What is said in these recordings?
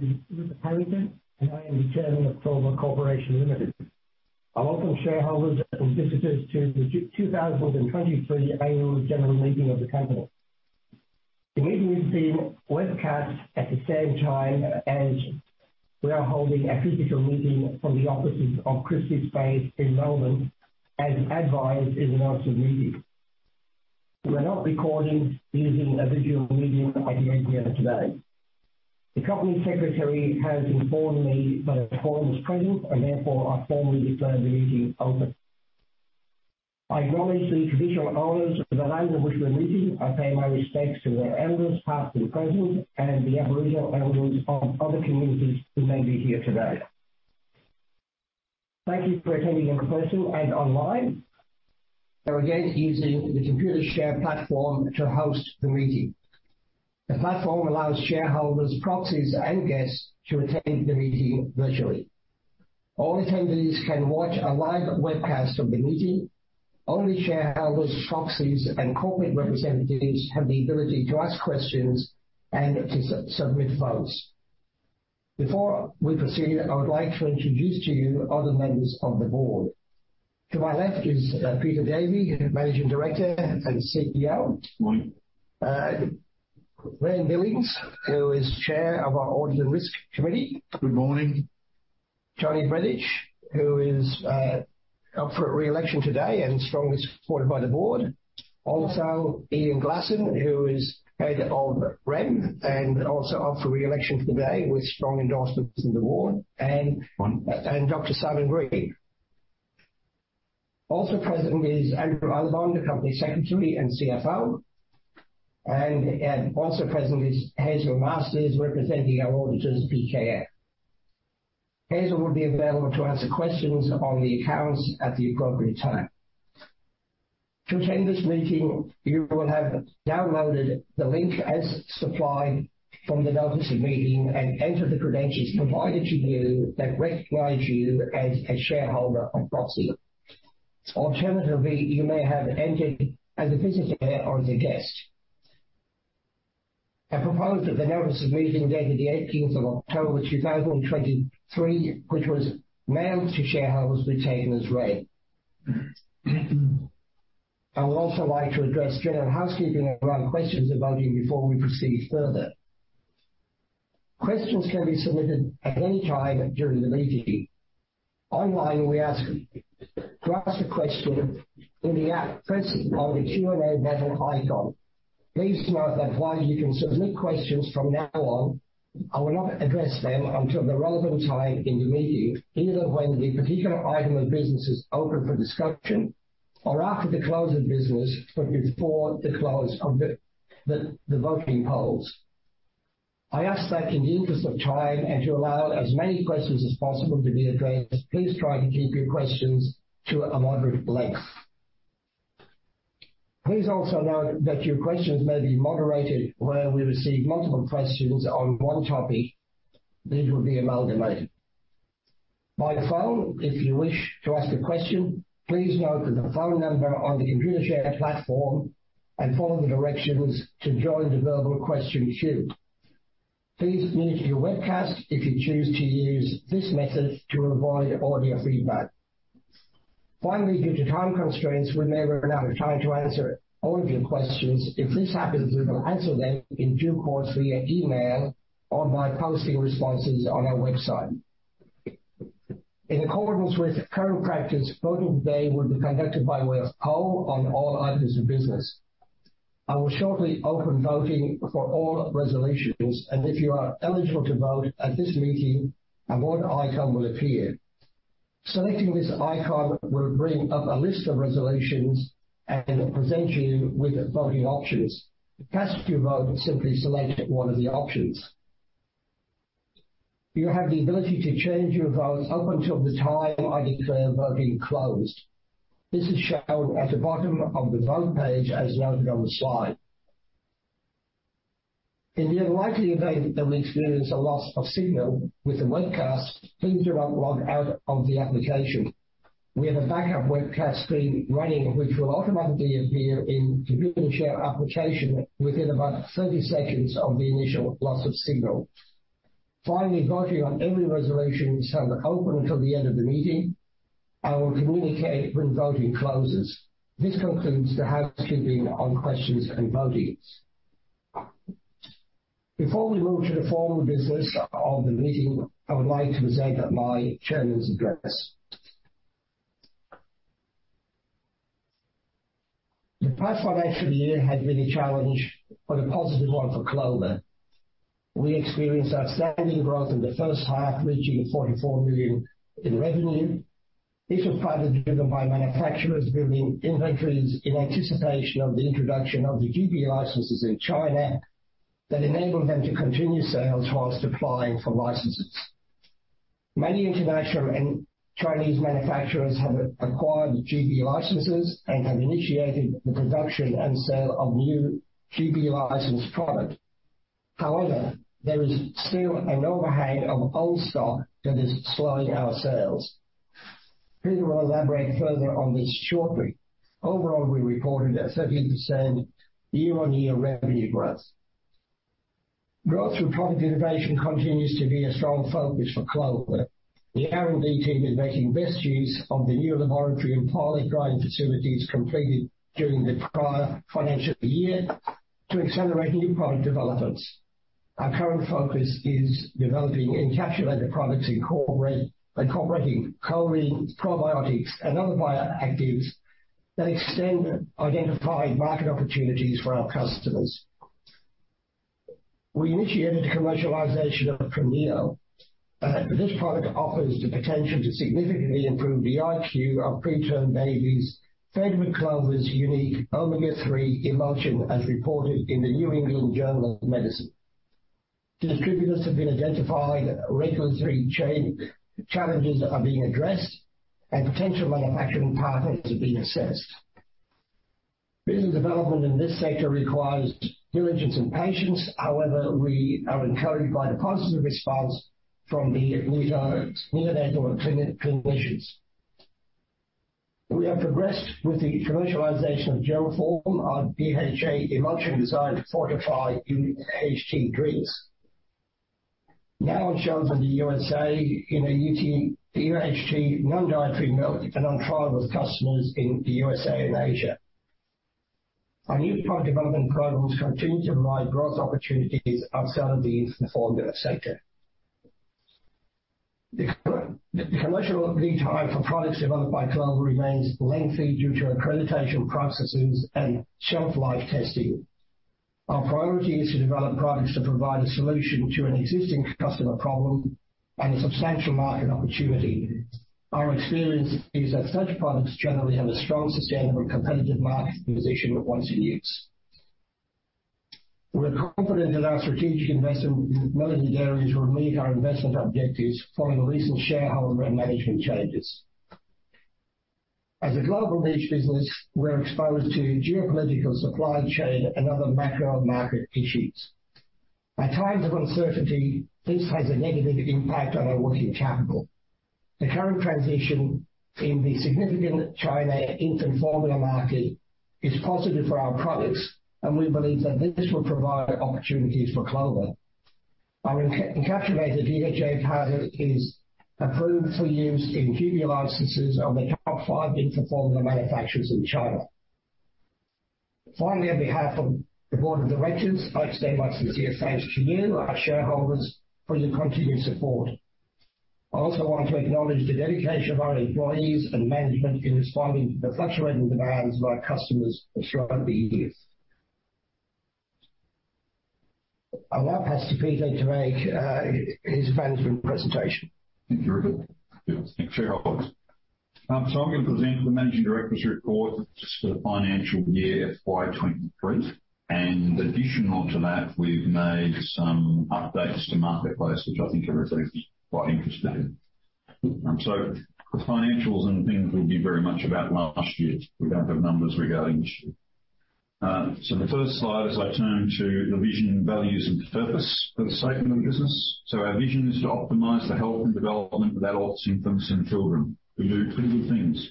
Good morning, ladies and gentlemen. My name is Rupert Harrington, and I am the Chairman of Clover Corporation Limited. I welcome shareholders and visitors to the 2023 Annual General Meeting of the company. The meeting is being webcast at the same time as we are holding a physical meeting from the offices of Christie Spaces in Melbourne, as advised in the notice of meeting. We are not recording using a visual medium, like here today. The company secretary has informed me that a quorum is present, and therefore I formally declare the meeting open. I acknowledge the traditional owners of the land on which we are meeting. I pay my respects to their elders, past and present, and the Aboriginal elders of other communities who may be here today. Thank you for attending in person and online. We are again using the Computershare platform to host the meeting. The platform allows shareholders, proxies, and guests to attend the meeting virtually. All attendees can watch a live webcast of the meeting. Only shareholders, proxies, and corporate representatives have the ability to ask questions and to submit votes. Before we proceed, I would like to introduce to you other members of the board. To my left is Peter Davey, Managing Director and CEO. Good morning. Graeme Billings, who is Chair of our Audit and Risk Committee. Good morning. Toni Brendish, who is up for re-election today and strongly supported by the board. Also, Ian Glasson, who is head of Rem and also up for re-election today with strong endorsements in the board, and- Good morning. and Dr. Simon Green. Also present is Andrew Allibon, the Company Secretary and CFO, and also present is Hazel Masters, representing our auditors, PKF. Hazel will be available to answer questions on the accounts at the appropriate time. To attend this meeting, you will have downloaded the link as supplied from the notice of meeting and enter the credentials provided to you that recognize you as a shareholder or proxy. Alternatively, you may have entered as a visitor or as a guest. I propose that the notice of meeting, dated the eighteenth of October two thousand and twenty-three, which was mailed to shareholders, be taken as read. I would also like to address general housekeeping around questions and voting before we proceed further. Questions can be submitted at any time during the meeting. Online, we ask you to ask a question in the app: press on the Q&A button icon. Please note that while you can submit questions from now on, I will not address them until the relevant time in the meeting, either when the particular item of business is open for discussion or after the close of business, but before the close of the voting polls. I ask that in the interest of time and to allow as many questions as possible to be addressed, please try to keep your questions to a moderate length. Please also note that your questions may be moderated where we receive multiple questions on one topic. These will be amalgamated. By phone, if you wish to ask a question, please note that the phone number on the Computershare platform and follow the directions to join the available question queue. Please mute your webcast if you choose to use this method, to avoid audio feedback. Finally, due to time constraints, we may run out of time to answer all of your questions. If this happens, we will answer them in due course via email or by posting responses on our website. In accordance with current practice, voting today will be conducted by way of poll on all items of business. I will shortly open voting for all resolutions, and if you are eligible to vote at this meeting, a vote icon will appear. Selecting this icon will bring up a list of resolutions and present you with voting options. To cast your vote, simply select one of the options. You have the ability to change your vote up until the time I declare voting closed. This is shown at the bottom of the vote page, as noted on the slide. In the unlikely event that we experience a loss of signal with the webcast, please do not log out of the application. We have a backup webcast screen running, which will automatically appear in the Computershare application within about 30 seconds of the initial loss of signal. Finally, voting on every resolution will stand open until the end of the meeting. I will communicate when voting closes. This concludes the housekeeping on questions and votings. Before we move to the formal business of the meeting, I would like to present my chairman's address. The past financial year had been a challenge, but a positive one for Clover. We experienced outstanding growth in the first half, reaching 44 million in revenue. This was partly driven by manufacturers building inventories in anticipation of the introduction of the GB licenses in China that enabled them to continue sales while applying for licenses. Many international and Chinese manufacturers have acquired GB licenses and have initiated the production and sale of new GB licensed product. However, there is still an overhang of old stock that is slowing our sales.... Peter will elaborate further on this shortly. Overall, we reported a 30% year-on-year revenue growth. Growth through product innovation continues to be a strong focus for Clover. The R&D team is making best use of the new laboratory and pilot driving facilities completed during the prior financial year to accelerate new product developments. Our current focus is developing encapsulated products incorporating choline, probiotics, and other bioactives that extend identified market opportunities for our customers. We initiated the commercialization of Premneo. This product offers the potential to significantly improve the IQ of preterm babies fed with Clover's unique omega-3 emulsion, as reported in the New England Journal of Medicine. Distributors have been identified, regulatory chain challenges are being addressed, and potential manufacturing partners are being assessed. Business development in this sector requires diligence and patience. However, we are encouraged by the positive response from the neonatal clinicians. We have progressed with the commercialization of Gelphorm, our DHA emulsion designed to fortify UHT drinks. Now it's shown in the USA in a UHT non-dairy milk and on trial with customers in the USA and Asia. Our new product development programs continue to provide growth opportunities outside of the infant formula sector. The commercial lead time for products developed by Clover remains lengthy due to accreditation processes and shelf life testing. Our priority is to develop products that provide a solution to an existing customer problem and a substantial market opportunity. Our experience is that such products generally have a strong, sustainable, competitive market position once in use. We're confident that our strategic investment with Melody Dairies will meet our investment objectives following the recent shareholder and management changes. As a global niche business, we're exposed to geopolitical, supply chain, and other macro market issues. At times of uncertainty, this has a negative impact on our working capital. The current transition in the significant China infant formula market is positive for our products, and we believe that this will provide opportunities for Clover. Our infant-encapsulated DHA product is approved for use in formula licenses of the top five infant formula manufacturers in China. Finally, on behalf of the Board of Directors, I extend my sincere thanks to you, our shareholders, for your continued support. I also want to acknowledge the dedication of our employees and management in responding to the fluctuating demands of our customers throughout the years. I now pass to Peter to make his management presentation. Thank you, Rupert. Thanks, shareholders. So I'm going to present the managing director's report for the financial year, FY 2023, and additional to that, we've made some updates to marketplace, which I think everybody's quite interested in. So the financials and things will be very much about last year. We don't have numbers regarding this year. So the first slide, as I turn to the vision, values, and purpose for the statement of business. So our vision is to optimize the health and development of adults, infants, and children. We do two good things.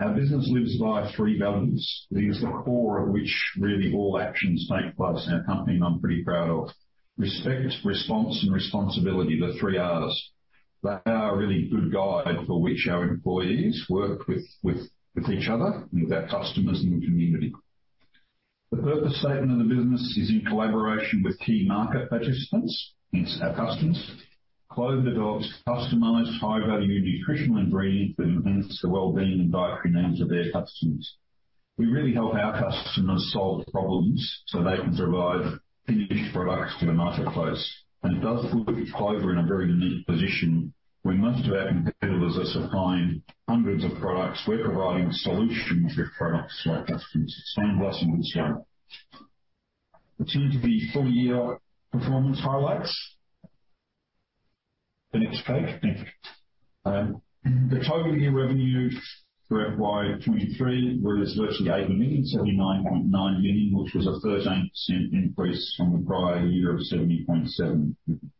Our business lives by three values. These are the core of which really all actions take place in our company, and I'm pretty proud of. Respect, response, and responsibility, the three Rs. They are a really good guide for which our employees work with each other, with our customers and the community. The purpose statement of the business is in collaboration with key market participants, it's our customers. Clover develops customized, high-value nutritional ingredients that enhance the well-being and dietary needs of their customers. We really help our customers solve problems so they can provide finished products to the marketplace. And it does put Clover in a very unique position, where most of our competitors are supplying hundreds of products, we're providing solutions with products to our customers, same glass and world scale. Let's turn to the full year performance highlights. The next page. Thank you. The total year revenue for FY 2023 was virtually 79.9 million, which was a 13% increase from the prior year of 70.7 million.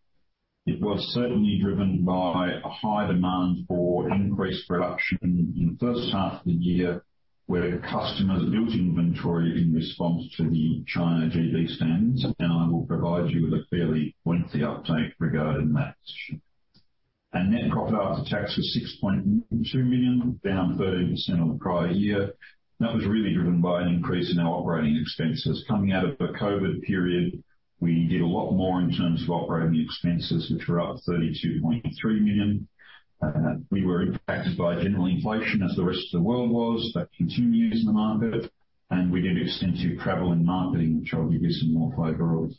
It was certainly driven by a high demand for increased production in the first half of the year, where customers built inventory in response to the China GB standards, and I will provide you with a fairly lengthy update regarding that position. Our net profit after tax was 6.2 million, down 13% on the prior year. That was really driven by an increase in our operating expenses. Coming out of the COVID period, we did a lot more in terms of operating expenses, which were up 32.3 million. We were impacted by general inflation as the rest of the world was. That continues in the market, and we did extensive travel and marketing, which I'll give you some more flavor of.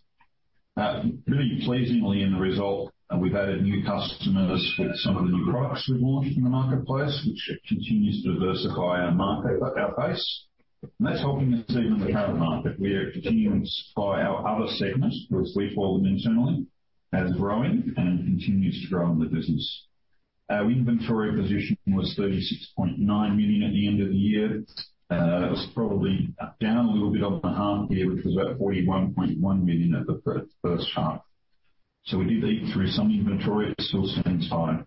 Really pleasingly in the result, we've added new customers with some of the new products we've launched in the marketplace, which continues to diversify our market, our base. That's helping us in the current market. We are continuing to supply our other segments, which we call them internally, as growing and continues to grow the business. Our inventory position was 36.9 million at the end of the year. It was probably down a little bit on the half year, which was at 41.1 million at the first half. So we did eat through some inventory. It still stands high.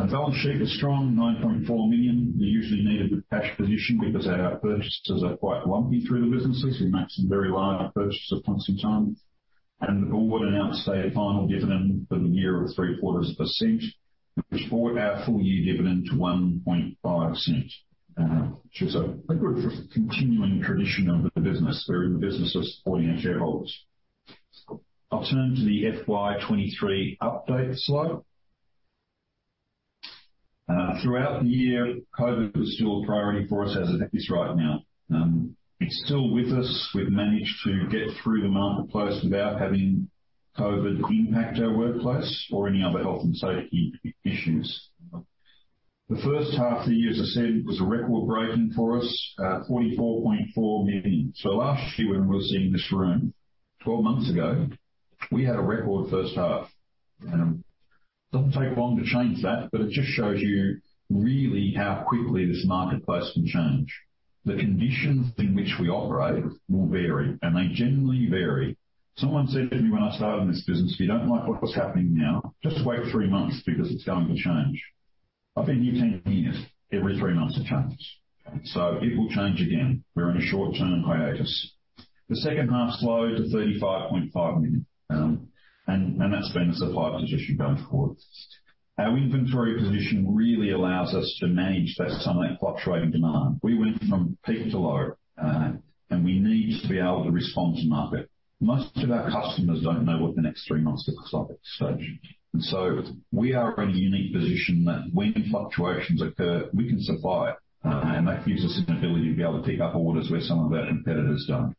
Our balance sheet is strong, 9.4 million. We usually need a good cash position because our purchases are quite lumpy through the businesses. We make some very large purchases once in time, and the board announced a final dividend for the year of 0.0075, which brought our full-year dividend to 0.015. So a good continuing tradition of the business. We're in the business of supporting our shareholders. I'll turn to the FY 2023 update slide. Throughout the year, COVID was still a priority for us, as it is right now. It's still with us. We've managed to get through the marketplace without having COVID impact our workplace or any other health and safety issues. The first half of the year, as I said, was a record-breaking for us, 44.4 million. So last year, when we were sitting in this room 12 months ago, we had a record first half, and it doesn't take long to change that, but it just shows you really how quickly this marketplace can change. The conditions in which we operate will vary, and they generally vary. Someone said to me when I started in this business, "If you don't like what's happening now, just wait 3 months because it's going to change." I've been here 10 years. Every 3 months, it changed, so it will change again. We're in a short-term hiatus. The second half slowed to 35.5 million, and that's been the supply position going forward. Our inventory position really allows us to manage that, some of that fluctuating demand. We went from peak to low, and we need to be able to respond to market. Most of our customers don't know what the next three months looks like, stage. And so we are in a unique position that when fluctuations occur, we can supply it, and that gives us an ability to be able to pick up orders where some of our competitors don't.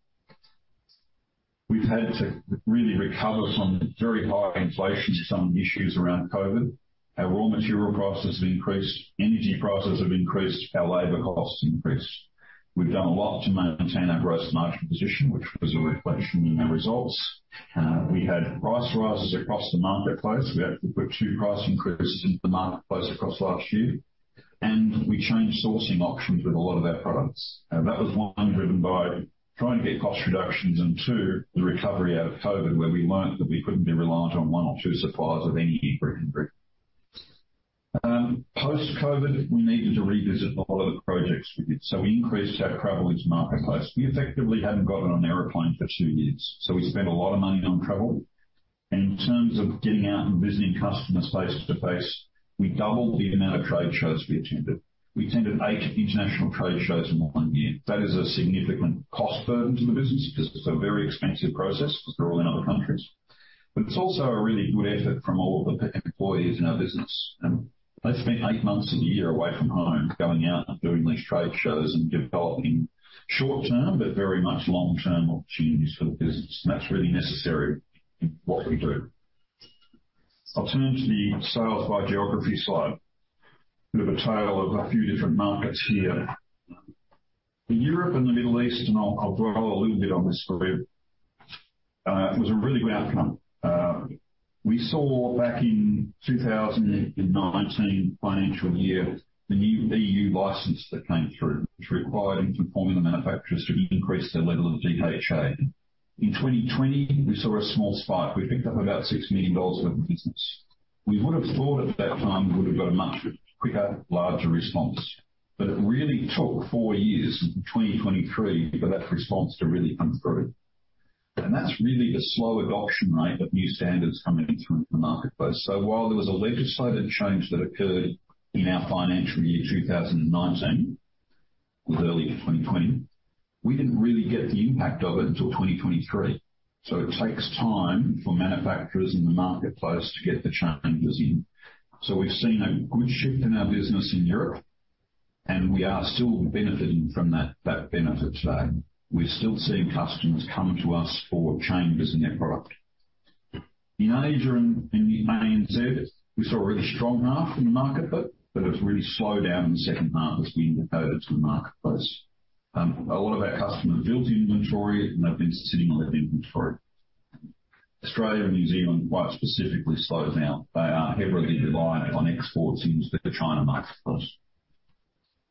We've had to really recover from very high inflation, some issues around COVID. Our raw material prices have increased, energy prices have increased, our labor costs increased. We've done a lot to maintain our gross margin position, which was a reflection in our results. We had price rises across the marketplace. We had to put two price increases in the marketplace across last year, and we changed sourcing options with a lot of our products. And that was 1, driven by trying to get cost reductions, and 2, the recovery out of COVID, where we learned that we couldn't be reliant on 1 or 2 suppliers of any input. Post-COVID, we needed to revisit a lot of the projects we did. So we increased our travel into the marketplace. We effectively hadn't gotten on an airplane for 2 years, so we spent a lot of money on travel. In terms of getting out and visiting customers face-to-face, we doubled the amount of trade shows we attended. We attended 8 international trade shows in 1 year. That is a significant cost burden to the business because it's a very expensive process. They're all in other countries. But it's also a really good effort from all the employees in our business, and they spent eight months of the year away from home, going out and doing these trade shows and developing short-term, but very much long-term opportunities for the business. And that's really necessary in what we do. I'll turn to the sales by geography slide. Bit of a tale of a few different markets here. In Europe and the Middle East, and I'll dwell a little bit on this for a bit. It was a really good outcome. We saw back in 2019 financial year, the new EU license that came through, which required infant formula manufacturers to increase their level of DHA. In 2020, we saw a small spike. We picked up about 6 million dollars for the business. We would have thought at that time, we would have got a much quicker, larger response, but it really took 4 years, in 2023, for that response to really come through. That's really the slow adoption rate of new standards coming in through the marketplace. While there was a legislative change that occurred in our financial year, 2019, with early 2020, we didn't really get the impact of it until 2023. It takes time for manufacturers in the marketplace to get the changes in. We've seen a good shift in our business in Europe, and we are still benefiting from that, that benefit today. We're still seeing customers come to us for changes in their product. In Asia and ANZ, we saw a really strong half in the marketplace, but it's really slowed down in the second half as we indicated to the marketplace. A lot of our customers built inventory, and they've been sitting on that inventory. Australia and New Zealand, quite specifically, slows down. They are heavily reliant on exports into the China marketplace.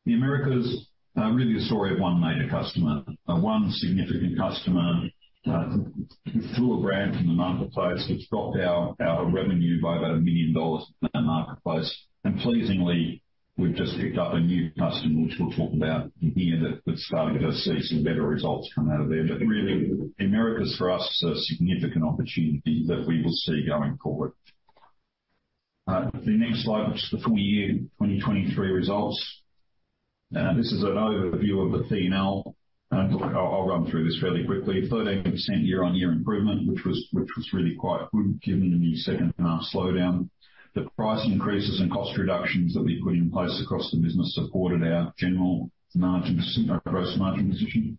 The Americas, really a story of one major customer, one significant customer, withdrew a brand from the marketplace, which dropped our revenue by about $1 million in the marketplace. And pleasingly, we've just picked up a new customer, which we'll talk about here, that's starting to see some better results come out of there. But really, Americas, for us, is a significant opportunity that we will see going forward. The next slide, which is the full year 2023 results. This is an overview of the PNL, and I'll run through this fairly quickly. 13% year-on-year improvement, which was really quite good given the second half slowdown. The price increases and cost reductions that we put in place across the business supported our general margin, our gross margin position.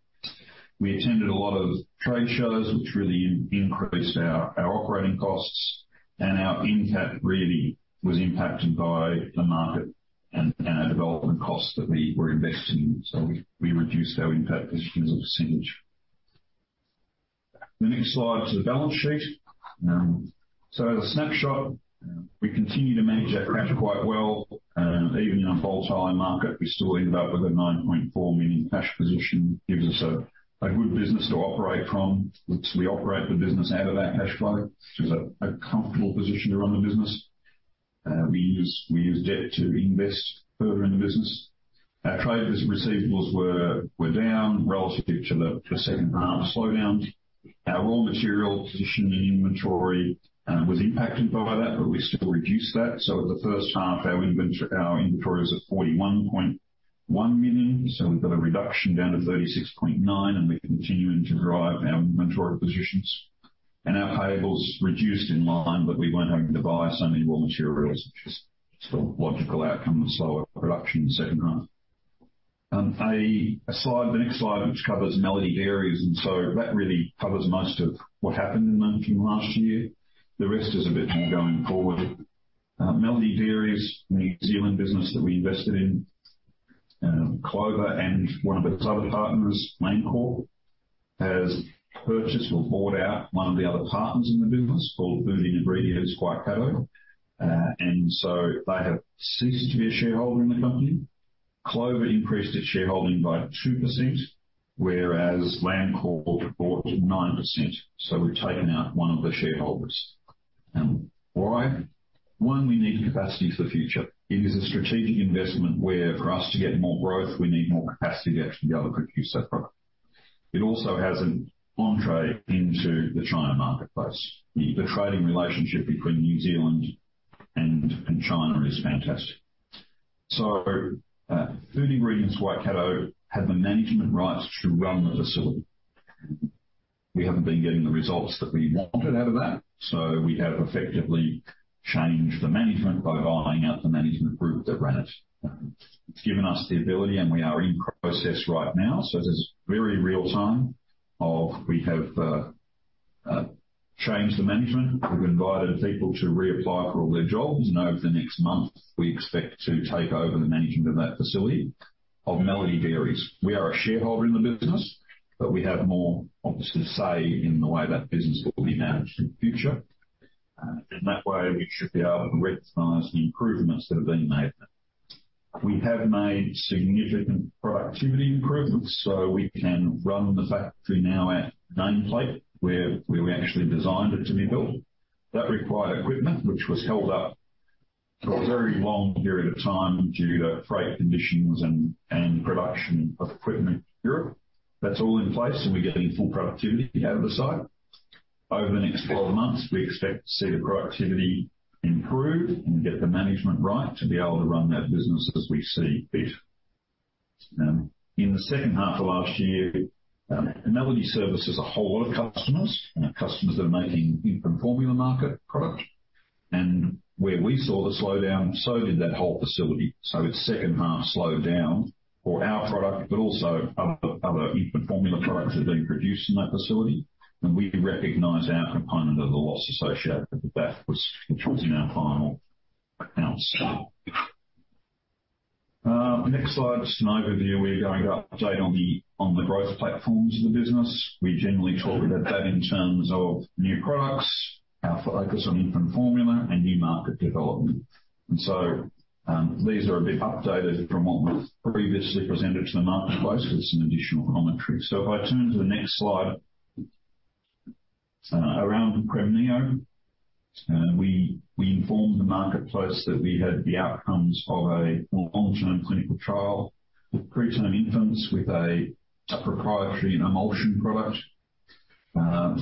We attended a lot of trade shows, which really increased our operating costs, and our impact really was impacted by the market and our development costs that we were investing in. So we reduced our impact position as a percentage. The next slide is the balance sheet. So the snapshot. We continue to manage our cash quite well. Even in a volatile market, we still end up with a 9.4 million cash position, gives us a good business to operate from. We operate the business out of that cash flow, which is a comfortable position to run the business. We use debt to invest further in the business. Our trade receivables were down relative to the second half slowdown. Our raw material position and inventory was impacted by that, but we still reduced that. So in the first half, our inventory was at 41.1 million, so we've got a reduction down to 36.9 million, and we're continuing to drive our inventory positions. Our payables reduced in line, but we weren't having to buy so many raw materials, which is the logical outcome of slower production in the second half. The next slide, which covers Melody Dairies, and so that really covers most of what happened in them from last year. The rest is a bit going forward. Melody Dairies, the New Zealand business that we invested in, Clover and one of its other partners, Landcorp, has purchased or bought out one of the other partners in the business called Food Waikato. And so they have ceased to be a shareholder in the company. Clover increased its shareholding by 2%, whereas Landcorp bought 9%. So we've taken out one of the shareholders. And why? One, we need capacity for the future. It is a strategic investment where for us to get more growth, we need more capacity to actually be able to produce that product. It also has an entry into the China marketplace. The trading relationship between New Zealand and China is fantastic. So, Food Waikato had the management rights to run the facility. We haven't been getting the results that we wanted out of that, so we have effectively changed the management by buying out the management group that ran it. It's given us the ability, and we are in process right now, so this is very real time, of we have changed the management. We've invited people to reapply for all their jobs, and over the next month, we expect to take over the management of that facility of Melody Dairies. We are a shareholder in the business, but we have more, obviously, say in the way that business will be managed in the future. In that way, we should be able to recognize the improvements that have been made. We have made significant productivity improvements, so we can run the factory now at nameplate, where we actually designed it to be built. That required equipment, which was held up for a very long period of time due to freight conditions and, and production of equipment in Europe. That's all in place, and we're getting full productivity out of the site. Over the next 12 months, we expect to see the productivity improve and get the management right to be able to run that business as we see fit. In the second half of last year, Melody Dairies serves a whole lot of customers, and our customers are making infant formula market product. And where we saw the slowdown, so did that whole facility. So its second half slowed down for our product, but also other, other infant formula products that are being produced in that facility. We recognize our component of the loss associated with that was, which was in our final accounts. Next slide, just an overview. We're going to update on the growth platforms of the business. We generally talk about that in terms of new products, our focus on infant formula and new market development. So these are a bit updated from what was previously presented to the marketplace with some additional commentary. So if I turn to the next slide, around Premneo, we informed the marketplace that we had the outcomes of a long-term clinical trial with preterm infants with a proprietary emulsion product.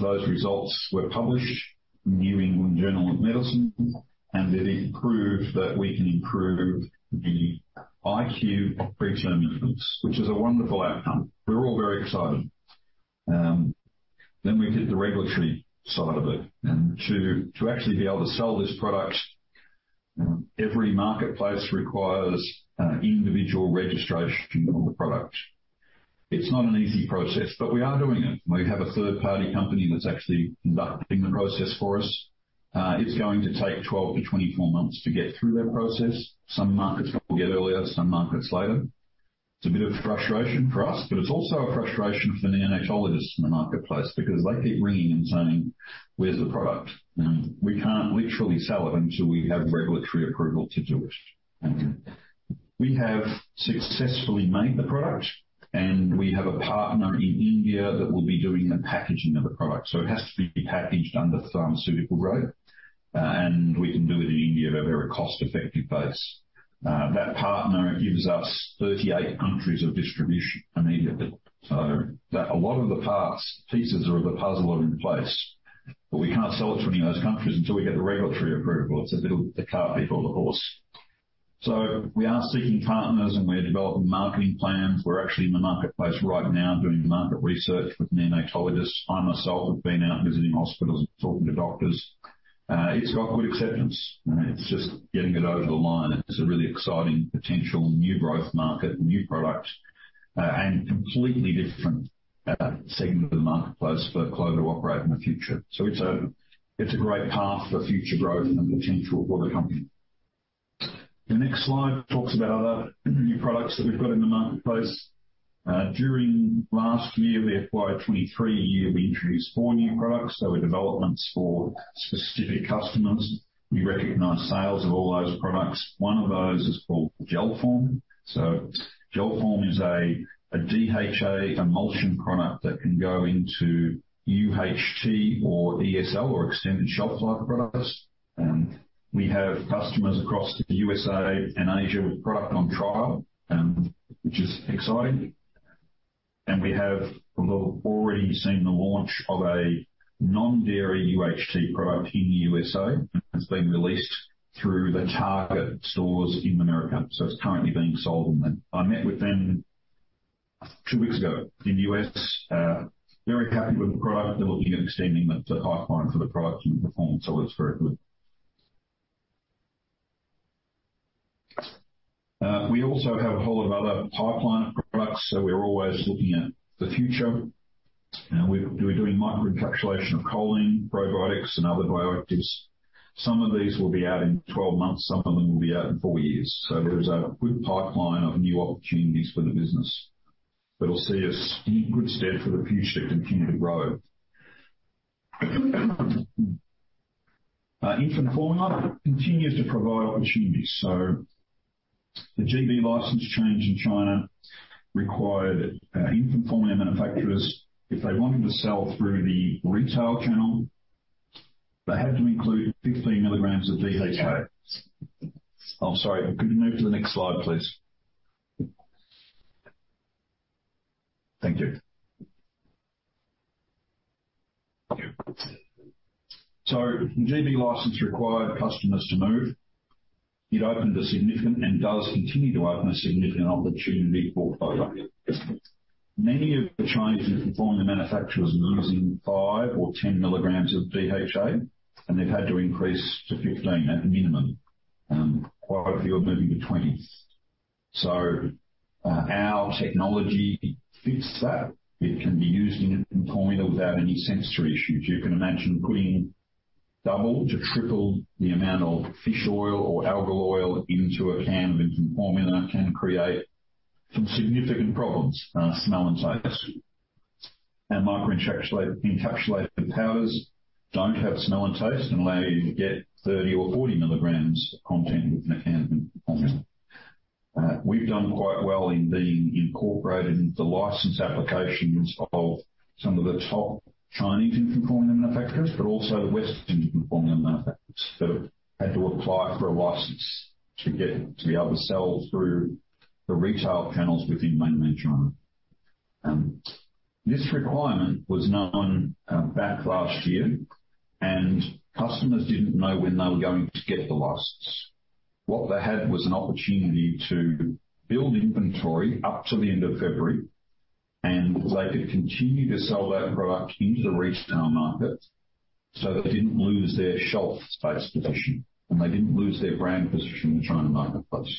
Those results were published in New England Journal of Medicine, and it improved that we can improve the IQ of preterm infants, which is a wonderful outcome. We're all very excited. Then we did the regulatory side of it. To actually be able to sell this product, every marketplace requires individual registration of the product. It's not an easy process, but we are doing it. We have a third-party company that's actually conducting the process for us. It's going to take 12-24 months to get through that process. Some markets will get earlier, some markets later. It's a bit of frustration for us, but it's also a frustration for the neonatologists in the marketplace because they keep ringing and saying, "Where's the product?" We can't literally sell it until we have regulatory approval to do it. We have successfully made the product, and we have a partner in India that will be doing the packaging of the product, so it has to be packaged under the pharmaceutical grade, and we can do it in India at a very cost-effective base. That partner gives us 38 countries of distribution immediately. So that a lot of the parts, pieces of the puzzle are in place, but we can't sell it to any of those countries until we get the regulatory approval. It's a bit of the cart before the horse. So we are seeking partners, and we're developing marketing plans. We're actually in the marketplace right now doing market research with neonatologists. I myself have been out visiting hospitals and talking to doctors. It's got good acceptance. It's just getting it over the line. It's a really exciting potential new growth market, new product, and completely different segment of the marketplace for Clover to operate in the future. So it's a great path for future growth and the potential of what the company. The next slide talks about other new products that we've got in the marketplace. During last year, we acquired 23, we introduced four new products. So developments for specific customers. We recognize sales of all those products. One of those is called GelForm. So GelForm is a DHA emulsion product that can go into UHT or ESL or extended shelf life products. We have customers across the USA and Asia with product on trial, which is exciting. And we have already seen the launch of a non-dairy UHT product in the USA. It's been released through the Target stores in America, so it's currently being sold in them. I met with them two weeks ago in the U.S. Very happy with the product. They're looking at extending the pipeline for the product and the performance, so it's very good. We also have a whole lot of other pipeline products, so we're always looking at the future. We're doing microencapsulation of choline, probiotics and other bioactives. Some of these will be out in 12 months, some of them will be out in 4 years. So there's a good pipeline of new opportunities for the business, that will see us in good stead for the future to continue to grow. Infant formula continues to provide opportunities, so the GB license change in China required infant formula manufacturers, if they wanted to sell through the retail channel, they had to include 15 milligrams of DHA. I'm sorry, could you move to the next slide, please? Thank you. So GB license required customers to move. It opened a significant and does continue to open a significant opportunity for formula. Many of the Chinese infant formula manufacturers were using 5 or 10 milligrams of DHA, and they've had to increase to 15 at minimum, quite a few are moving to 20. So, our technology fits that. It can be used in infant formula without any sensory issues. You can imagine putting double to triple the amount of fish oil or algal oil into a can of infant formula can create some significant problems, smell and taste. And microencapsulated, encapsulated powders don't have smell and taste, and allow you to get 30 or 40 milligrams of content in a can of formula. We've done quite well in being incorporated into the license applications of some of the top Chinese infant formula manufacturers, but also the Western infant formula manufacturers, that had to apply for a license to get, to be able to sell through the retail channels within mainland China. This requirement was known back last year, and customers didn't know when they were going to get the license. What they had was an opportunity to build inventory up to the end of February, and they could continue to sell that product into the retail market, so they didn't lose their shelf space position, and they didn't lose their brand position in the China marketplace.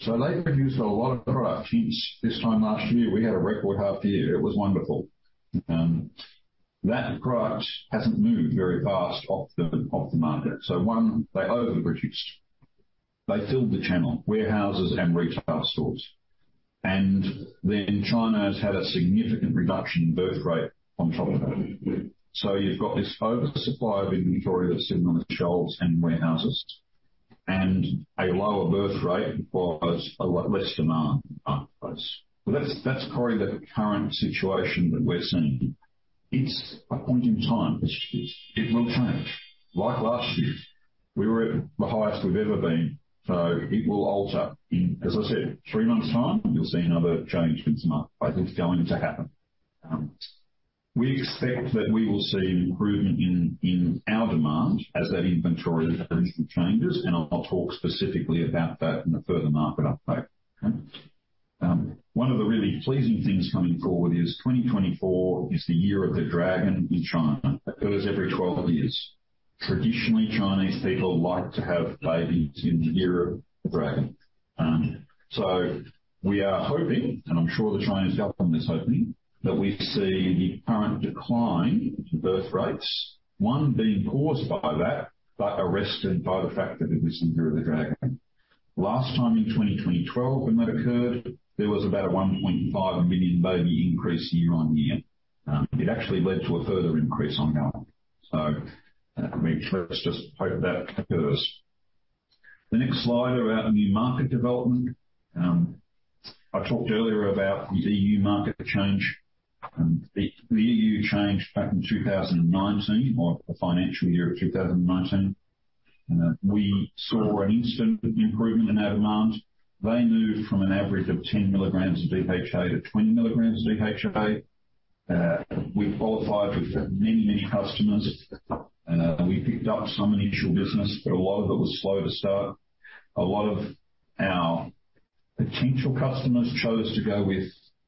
So they produced a lot of product since this time last year. We had a record half year. It was wonderful. That product hasn't moved very fast off the market. So one, they overproduced, they filled the channel, warehouses and retail stores. And then China's had a significant reduction in birth rate on top of that. So you've got this oversupply of inventory that's sitting on the shelves and warehouses, and a lower birth rate causes a lot less demand. But that's, that's probably the current situation that we're seeing. It's a point in time. It will change. Like last year, we were at the highest we've ever been, so it will alter in, as I said, three months' time, you'll see another change in some markets. It's going to happen. We expect that we will see improvement in our demand as that inventory position changes, and I'll talk specifically about that in a further market update. One of the really pleasing things coming forward is 2024 is the Year of the Dragon in China. It occurs every 12 years. Traditionally, Chinese people like to have babies in the Year of the Dragon. So we are hoping, and I'm sure the Chinese government is hoping, that we see the current decline in birth rates, one, being caused by that, but arrested by the fact that it is the Year of the Dragon. Last time in 2012, when that occurred, there was about a 1.5 million baby increase year on year. It actually led to a further increase ongoing. Let me just, just hope that occurs. The next slide about new market development. I talked earlier about the EU market change, and the EU changed back in 2019, or the financial year of 2019. We saw an instant improvement in our demand. They moved from an average of 10 milligrams of DHA to 20 milligrams of DHA. We qualified with many, many customers. We picked up some initial business, but a lot of it was slow to start. A lot of our potential customers chose to go with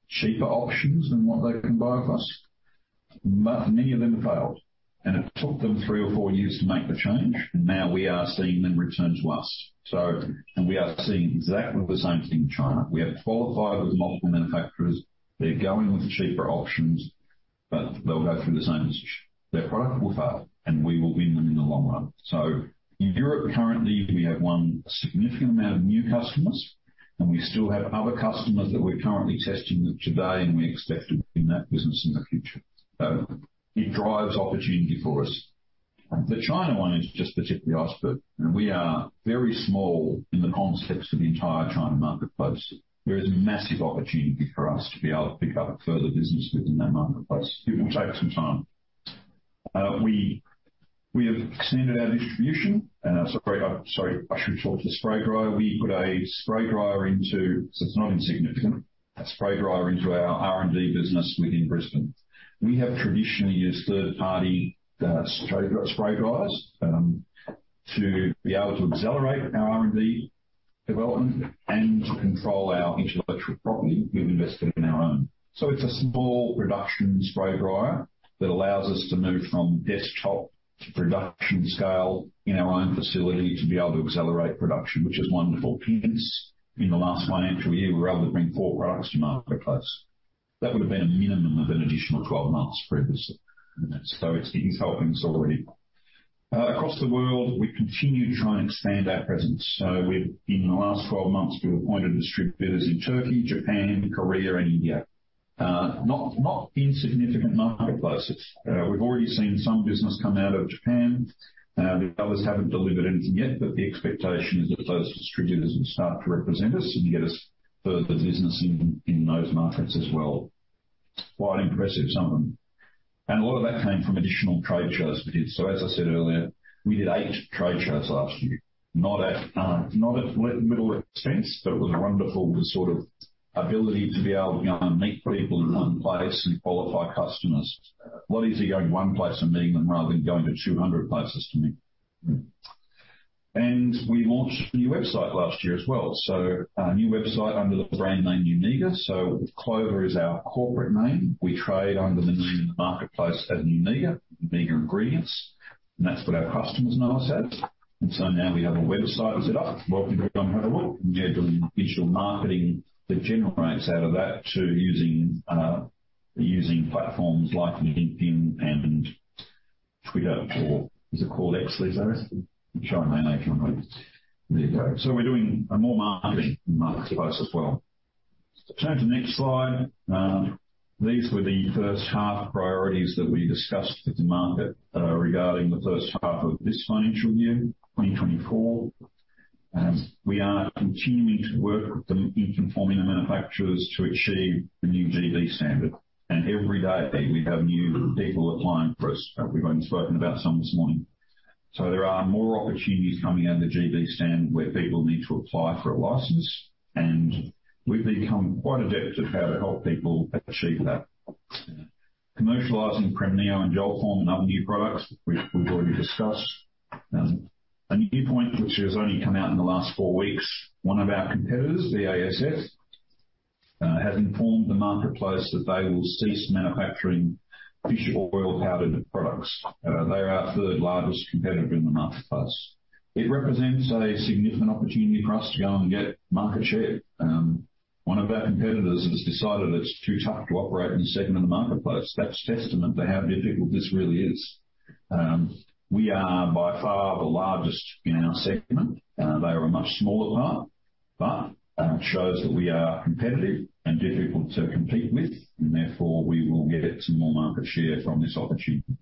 cheaper options than what they can buy with us, but many of them failed, and it took them 3 or 4 years to make the change, and now we are seeing them return to us. So and we are seeing exactly the same thing in China. We have qualified with multiple manufacturers. They're going with the cheaper options... But they'll go through the same as their product will fail, and we will win them in the long run. So in Europe, currently, we have won a significant amount of new customers, and we still have other customers that we're currently testing with today, and we expect to win that business in the future. So it drives opportunity for us. The China one is just particularly iceberg, and we are very small in the context of the entire China marketplace. There is a massive opportunity for us to be able to pick up further business within that marketplace. It will take some time. We have extended our distribution and I should talk to the spray dryer. We put a spray dryer into, so it's not insignificant, a spray dryer into our R&D business within Brisbane. We have traditionally used third-party spray dryers to be able to accelerate our R&D development and to control our intellectual property we've invested in our own. So it's a small production spray dryer that allows us to move from desktop to production scale in our own facility to be able to accelerate production, which is wonderful. In the last financial year, we were able to bring four products to marketplace. That would have been a minimum of an additional 12 months for this. So it's helping us already. Across the world, we continue to try and expand our presence. So in the last 12 months, we've appointed distributors in Turkey, Japan, Korea, and India. Not insignificant marketplaces. We've already seen some business come out of Japan. The others haven't delivered anything yet, but the expectation is that those distributors will start to represent us and get us further business in, in those markets as well. Quite impressive, some of them. And a lot of that came from additional trade shows we did. So as I said earlier, we did 8 trade shows last year. Not at, not at little expense, but it was wonderful, the sort of ability to be able to go and meet people in one place and qualify customers. A lot easier going one place and meeting them rather than going to 200 places to meet. And we launched a new website last year as well, so a new website under the brand name Nu-Mega. So Clover is our corporate name. We trade under the name in the marketplace as Nu-Mega, Nu-Mega Ingredients, and that's what our customers know us as. And so now we have a website set up, welcome everyone, and we are doing digital marketing that generates out of that to using, using platforms like LinkedIn and Twitter, or is it called X, Lisa? I'm trying my name from there. So we're doing more marketing in the marketplace as well. Turn to the next slide. These were the first half priorities that we discussed with the market, regarding the first half of this financial year, 2024. We are continuing to work with the infant formula manufacturers to achieve the new GB standard, and every day we have new people applying for us. We've only spoken about some this morning. So there are more opportunities coming out of the GB standard, where people need to apply for a license, and we've become quite adept at how to help people achieve that. Commercializing Primeneo and GelForm and other new products, which we've already discussed. A new point, which has only come out in the last four weeks. One of our competitors, BASF, has informed the marketplace that they will cease manufacturing fish oil powdered products. They're our third largest competitor in the marketplace. It represents a significant opportunity for us to go and get market share. One of our competitors has decided it's too tough to operate in the segment of the marketplace. That's testament to how difficult this really is. We are by far the largest in our segment. They are a much smaller part, but it shows that we are competitive and difficult to compete with, and therefore, we will get some more market share from this opportunity.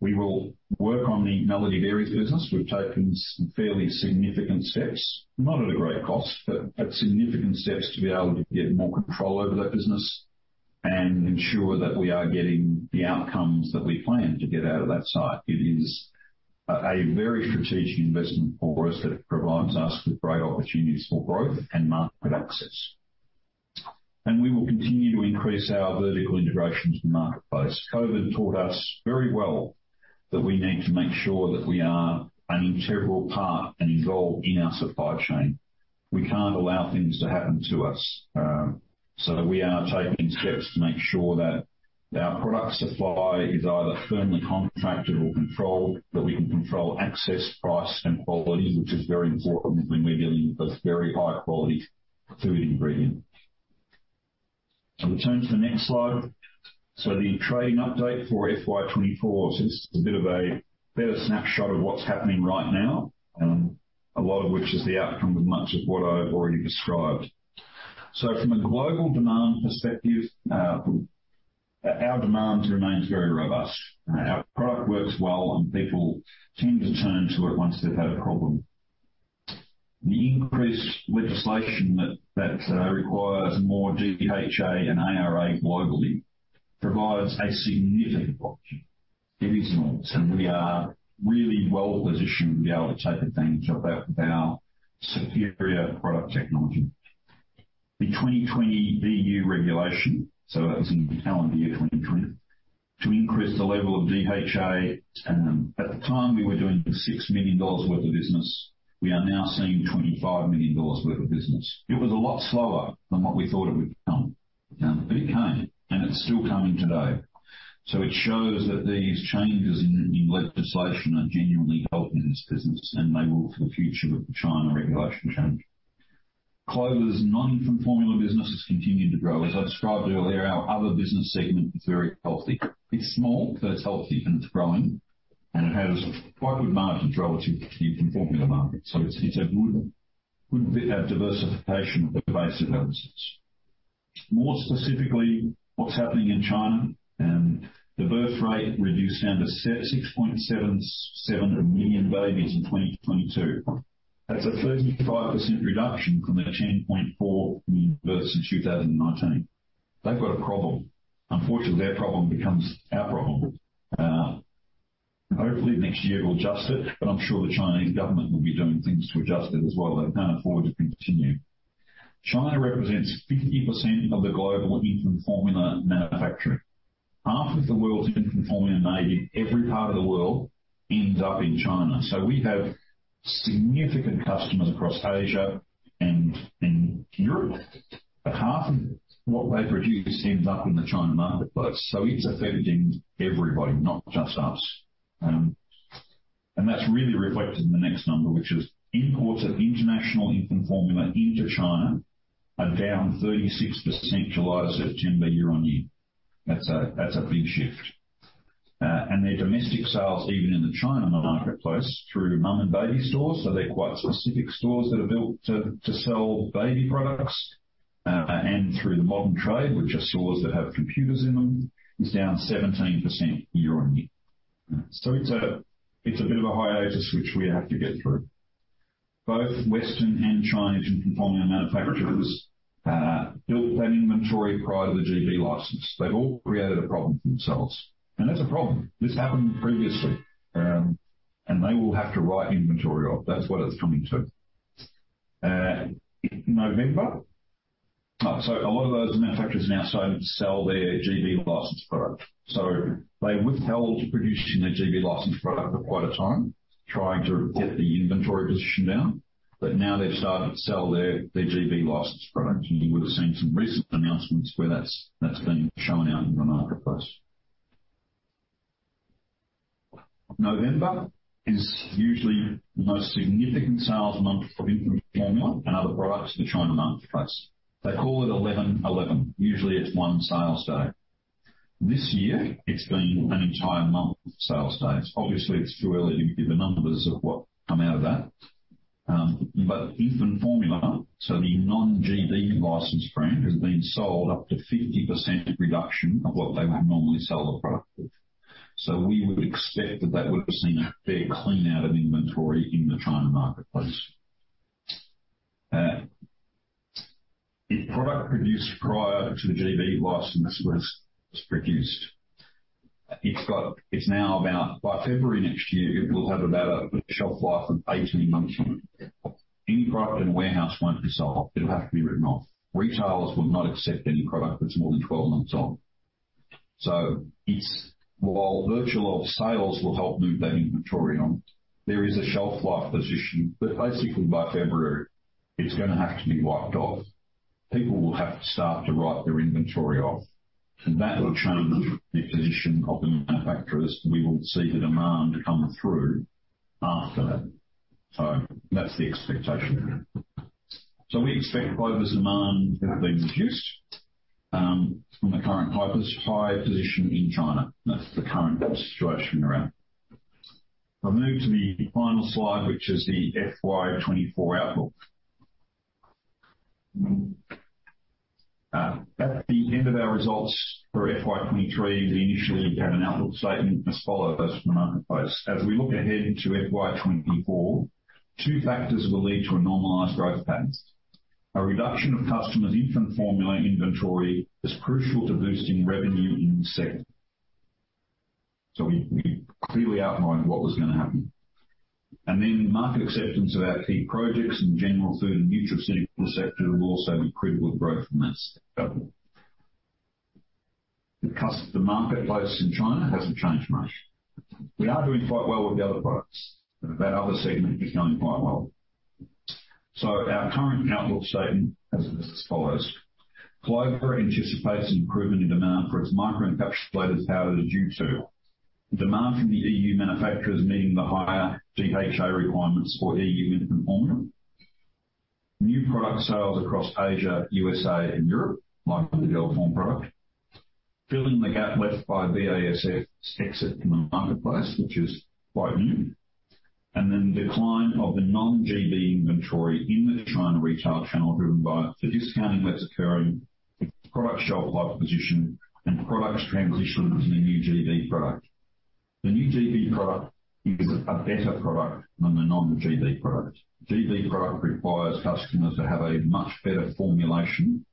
We will work on the Melody Dairies business. We've taken some fairly significant steps, not at a great cost, but, but significant steps to be able to get more control over that business and ensure that we are getting the outcomes that we plan to get out of that site. It is a very strategic investment for us that provides us with great opportunities for growth and market access. And we will continue to increase our vertical integration to the marketplace. COVID taught us very well that we need to make sure that we are an integral part and involved in our supply chain. We can't allow things to happen to us, so we are taking steps to make sure that our product supply is either firmly contracted or controlled, that we can control access, price, and quality, which is very important when we're dealing with very high-quality food ingredients. So we turn to the next slide. So the trading update for FY 2024 is a bit of a better snapshot of what's happening right now, a lot of which is the outcome of much of what I've already described. So from a global demand perspective, our demand remains very robust. Our product works well, and people tend to turn to it once they've had a problem. The increased legislation that requires more DHA and ARA globally provides a significant opportunity. It is, and we are really well positioned to be able to take advantage of that with our superior product technology. The 2020 EU regulation, so that was in calendar year 2020, to increase the level of DHA. At the time, we were doing 6 million dollars worth of business, we are now seeing 25 million dollars worth of business. It was a lot slower than what we thought it would become, but it came, and it's still coming today. So it shows that these changes in, in legislation are genuinely helping this business, and they will for the future of the China regulation change. Clover's non-infant formula business has continued to grow. As I described earlier, our other business segment is very healthy. It's small, but it's healthy and it's growing, and it has quite good margins relative to the infant formula market. So it's a good, good bit of diversification of the base of our business. More specifically, what's happening in China, the birth rate reduced down to 6.77 million babies in 2022. That's a 35% reduction from the 10.4 million births in 2019. They've got a problem. Unfortunately, their problem becomes our problem. Hopefully next year, we'll adjust it, but I'm sure the Chinese government will be doing things to adjust it as well. They can't afford it to continue. China represents 50% of the global infant formula manufacturing. Half of the world's infant formula made in every part of the world ends up in China. So we have significant customers across Asia and Europe, but half of what they produce ends up in the China marketplace. So it's affecting everybody, not just us. And that's really reflected in the next number, which is imports of international infant formula into China are down 36%, July to September, year-on-year. That's a big shift. And their domestic sales, even in the China marketplace, through mom and baby stores, so they're quite specific stores that are built to sell baby products, and through the modern trade, which are stores that have computers in them, is down 17% year-on-year. So it's a bit of a hiatus, which we have to get through. Both Western and Chinese infant formula manufacturers built that inventory prior to the GB license. They've all created a problem for themselves, and that's a problem. This happened previously, and they will have to write inventory off. That's what it's coming to. November. So a lot of those manufacturers are now starting to sell their GB licensed product. So they withheld producing their GB licensed product for quite a time, trying to get the inventory position down, but now they've started to sell their, their GB licensed products. And you would have seen some recent announcements where that's, that's been shown out in the marketplace. November is usually the most significant sales month for infant formula and other products in the China marketplace. They call it 11.11. Usually, it's one sales day. This year, it's been an entire month of sales days. Obviously, it's too early to give the numbers of what come out of that, but infant formula, so the non-GB licensed brand, has been sold up to 50% reduction of what they would normally sell the product. So we would expect that that would have seen a fair clean out of inventory in the China marketplace. If product produced prior to the GB license was produced, it's now about... By February next year, it will have about a shelf life of 18 months. Any product in warehouse won't be sold. It'll have to be written off. Retailers will not accept any product that's more than 12 months old. So it's, while virtual sales will help move that inventory on, there is a shelf life position, but basically by February, it's gonna have to be wiped off. People will have to start to write their inventory off, and that will change the position of the manufacturers. We will see the demand come through after that. So that's the expectation. So we expect Clover's demand to have been reduced, from the current high position in China. That's the current situation around. I'll move to the final slide, which is the FY 2024 outlook. At the end of our results for FY 2023, we initially gave an outlook statement as follows: As we look ahead into FY 2024, two factors will lead to a normalized growth pattern. A reduction of customers' infant formula inventory is crucial to boosting revenue in the sector. So we, we clearly outlined what was gonna happen. And then market acceptance of our key projects and general food and nutraceutical sector will also be critical to growth from this level. Because the marketplace in China hasn't changed much. We are doing quite well with the other products. That other segment is going quite well. So our current outlook statement as is follows: Clover anticipates an improvement in demand for its microencapsulated powders due to demand from the EU manufacturers meeting the higher DHA requirements for EU infant formula. New product sales across Asia, USA, and Europe, like the GelForm product, filling the gap left by BASF's exit from the marketplace, which is quite new, and then decline of the non-GB inventory in the China retail channel, driven by the discounting that's occurring, the product shelf life position, and products transitioning to the new GB product. The new GB product is a better product than the non-GB product. GB product requires customers to have a much better formulation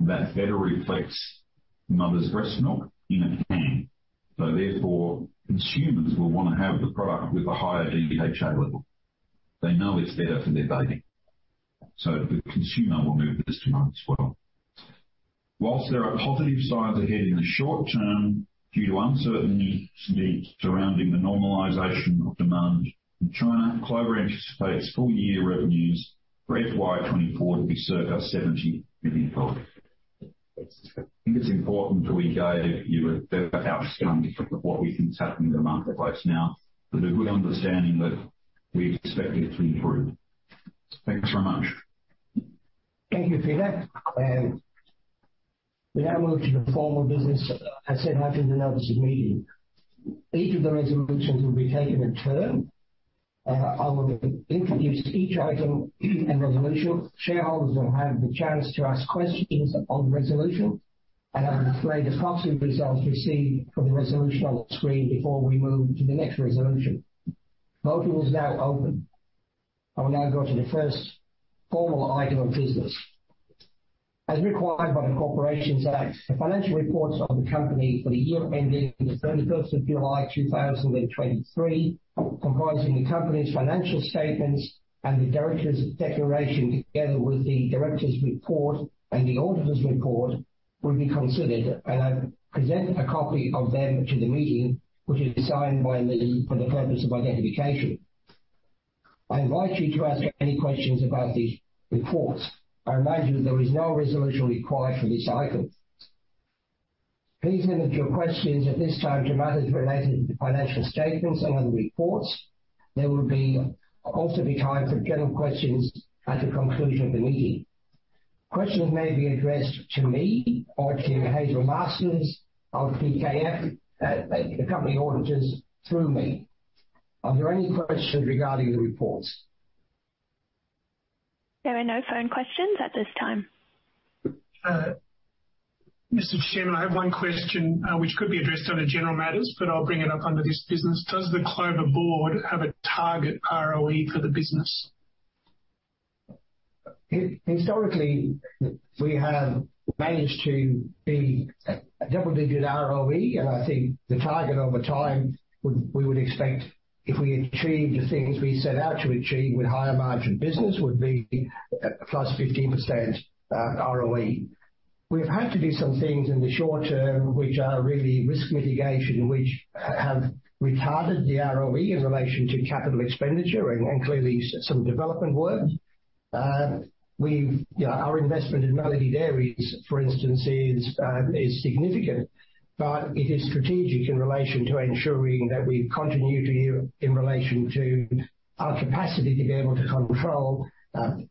that better reflects mother's breast milk in a can. So therefore, consumers will wanna have the product with a higher DHA level. They know it's better for their baby, so the consumer will move this demand as well. While there are positive signs ahead in the short term, due to uncertainty surrounding the normalization of demand in China, Clover anticipates full-year revenues for FY 2024 to be circa 70 million.... I think it's important that we guide you with the outcome of what we think is happening in the marketplace now, with a good understanding that we expect it to improve. Thanks very much. Thank you for that. We now move to the formal business, as set out in the notice of meeting. Each of the resolutions will be taken in turn. I will introduce each item and resolution. Shareholders will have the chance to ask questions on the resolution, and I will play the proxy results received from the resolution on the screen before we move to the next resolution. Voting is now open. I will now go to the first formal item of business. As required by the Corporations Act, the financial reports of the company for the year ending the 31st of July, 2023, comprising the company's financial statements and the directors' declaration, together with the directors' report and the auditor's report, will be considered. I present a copy of them to the meeting, which is signed by me for the purpose of identification. I invite you to ask any questions about these reports. I imagine there is no resolution required for this item. Please limit your questions at this time to matters related to the financial statements and other reports. There will also be time for general questions at the conclusion of the meeting. Questions may be addressed to me or to Hazel Masters of PKF, the company auditors, through me. Are there any questions regarding the reports? There are no phone questions at this time. Mr. Chairman, I have one question, which could be addressed under general matters, but I'll bring it up under this business: Does the Clover board have a target ROE for the business? Historically, we have managed to be a double-digit ROE, and I think the target over time would, we would expect if we achieve the things we set out to achieve with higher margin business would be +15% ROE. We've had to do some things in the short term, which are really risk mitigation, and which have retarded the ROE in relation to capital expenditure and clearly some development work. You know, our investment in Melody Dairies, for instance, is significant, but it is strategic in relation to ensuring that we continue to yield in relation to our capacity to be able to control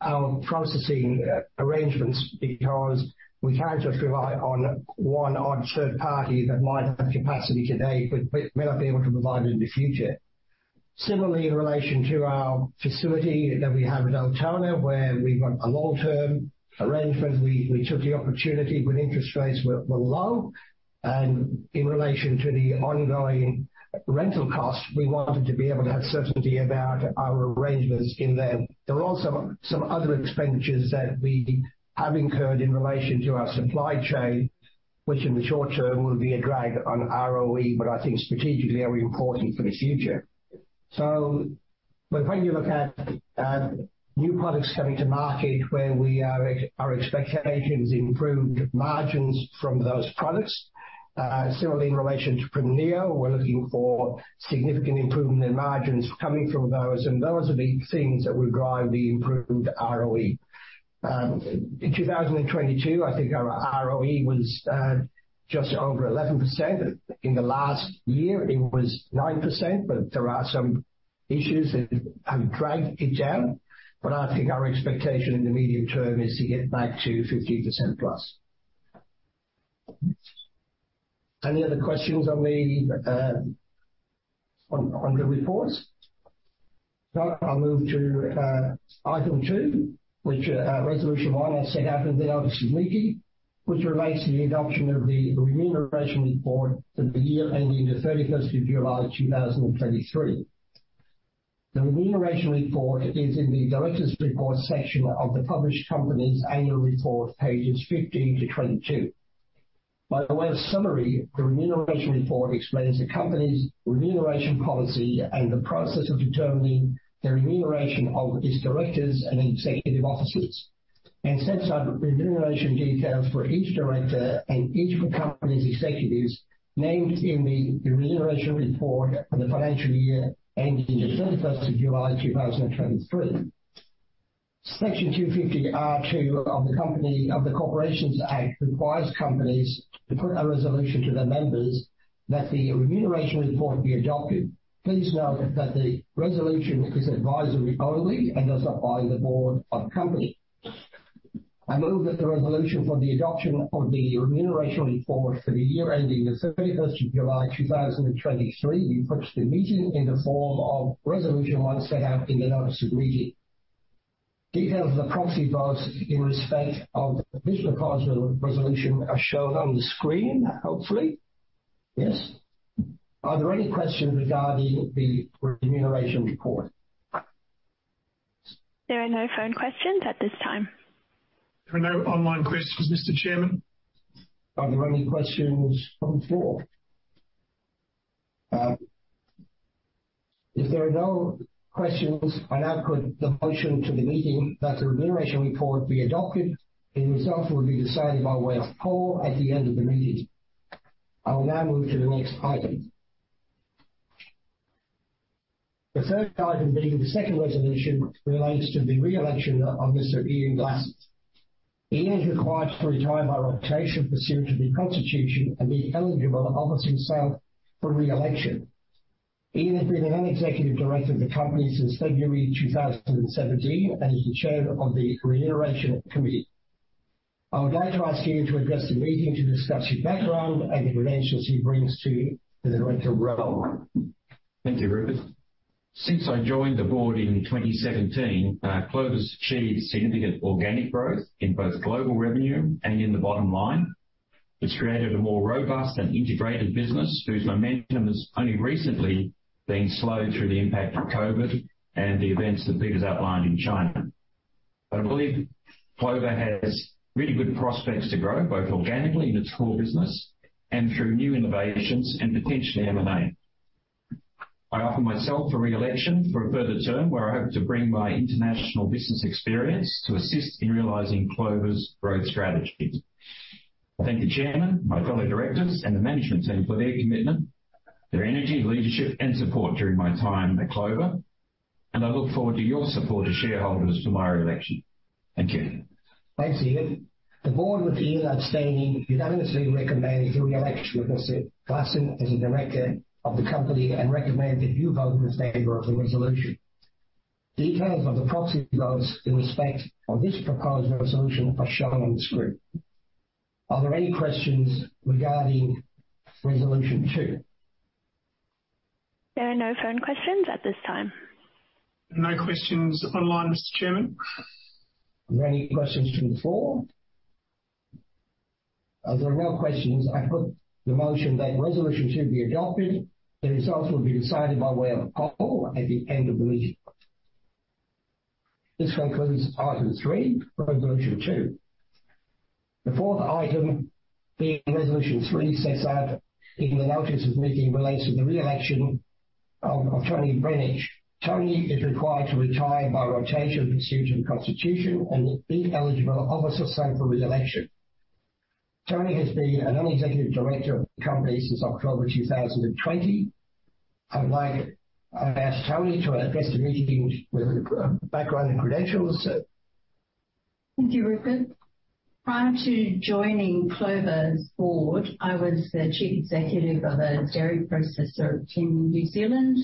our processing arrangements. Because we can't just rely on one odd third party that might have capacity today, but may not be able to provide it in the future. Similarly, in relation to our facility that we have at Altona, where we've got a long-term arrangement, we took the opportunity when interest rates were low, and in relation to the ongoing rental costs, we wanted to be able to have certainty about our arrangements in there. There are also some other expenditures that we have incurred in relation to our supply chain, which in the short term will be a drag on ROE, but I think strategically are important for the future. So when you look at new products coming to market where we are exceeding our expectations improved margins from those products, similarly in relation to Primeneo, we're looking for significant improvement in margins coming from those, and those are the things that will drive the improved ROE. In 2022, I think our ROE was just over 11%. In the last year, it was 9%, but there are some issues that have dragged it down. But I think our expectation in the medium term is to get back to 15%+. Any other questions on the, on, on the reports? No. I'll move to, item two, which, resolution one as set out in the notice of meeting, which relates to the adoption of the remuneration report for the year ending the thirty-first of July, 2023. The remuneration report is in the directors' report section of the published company's annual report, pages 15-22. By way of summary, the remuneration report explains the company's remuneration policy and the process of determining the remuneration of its directors and executive officers, and sets out remuneration details for each director and each of the company's executives named in the remuneration report for the financial year ending the 31st of July, 2023. Section 250R(2) of the Corporations Act requires companies to put a resolution to their members that the remuneration report be adopted. Please note that the resolution is advisory only and does not bind the board of the company. I move that the resolution for the adoption of the remuneration report for the year ending the 31st of July, 2023, be put to the meeting in the form of resolution 1 set out in the notice of meeting. Details of the proxy votes in respect of this proposed resolution are shown on the screen, hopefully. Yes? Are there any questions regarding the remuneration report? There are no phone questions at this time. There are no online questions, Mr. Chairman. Are there any questions from the floor? If there are no questions, I now put the motion to the meeting that the remuneration report be adopted. The results will be decided by way of poll at the end of the meeting. I will now move to the next item. The third item being the second resolution relates to the re-election of Mr. Ian Glasson. Ian is required to retire by rotation pursuant to the Constitution, and be eligible to offer himself for re-election. Ian has been a Non-Executive Director of the company since February 2017, and he is the Chair of the Remuneration Committee. I would like to ask Ian to address the meeting to discuss his background and the credentials he brings to the director role. Thank you, Rupert. Since I joined the board in 2017, Clover's achieved significant organic growth in both global revenue and in the bottom line. It's created a more robust and integrated business whose momentum has only recently been slowed through the impact of COVID and the events that Peter's outlined in China. But I believe Clover has really good prospects to grow, both organically in its core business and through new innovations and potentially M&A. I offer myself for re-election for a further term, where I hope to bring my international business experience to assist in realizing Clover's growth strategy. I thank the chairman, my fellow directors, and the management team for their commitment, their energy, leadership, and support during my time at Clover. And I look forward to your support as shareholders for my re-election. Thank you. Thanks, Ian. The board, with Ian abstaining, unanimously recommends the re-election of Mr. Glasson as a director of the company and recommends that you vote in favor of the resolution. Details of the proxy votes in respect of this proposed resolution are shown on the screen. Are there any questions regarding Resolution 2? There are no phone questions at this time. No questions online, Mr. Chairman. Are there any questions from the floor? As there are no questions, I put the motion that resolution should be adopted. The results will be decided by way of poll at the end of the meeting. This concludes item three, Resolution two. The fourth item, being Resolution three, sets out in the notice of meeting relates to the re-election of Toni Brendish. Toni is required to retire by rotation pursuant to the Constitution and will be eligible to offer herself for re-election. Toni has been a non-executive director of the company since October 2020. I'd like ask Toni to address the meeting with background and credentials. Thank you, Rupert. Prior to joining Clover's board, I was the chief executive of a dairy processor in New Zealand,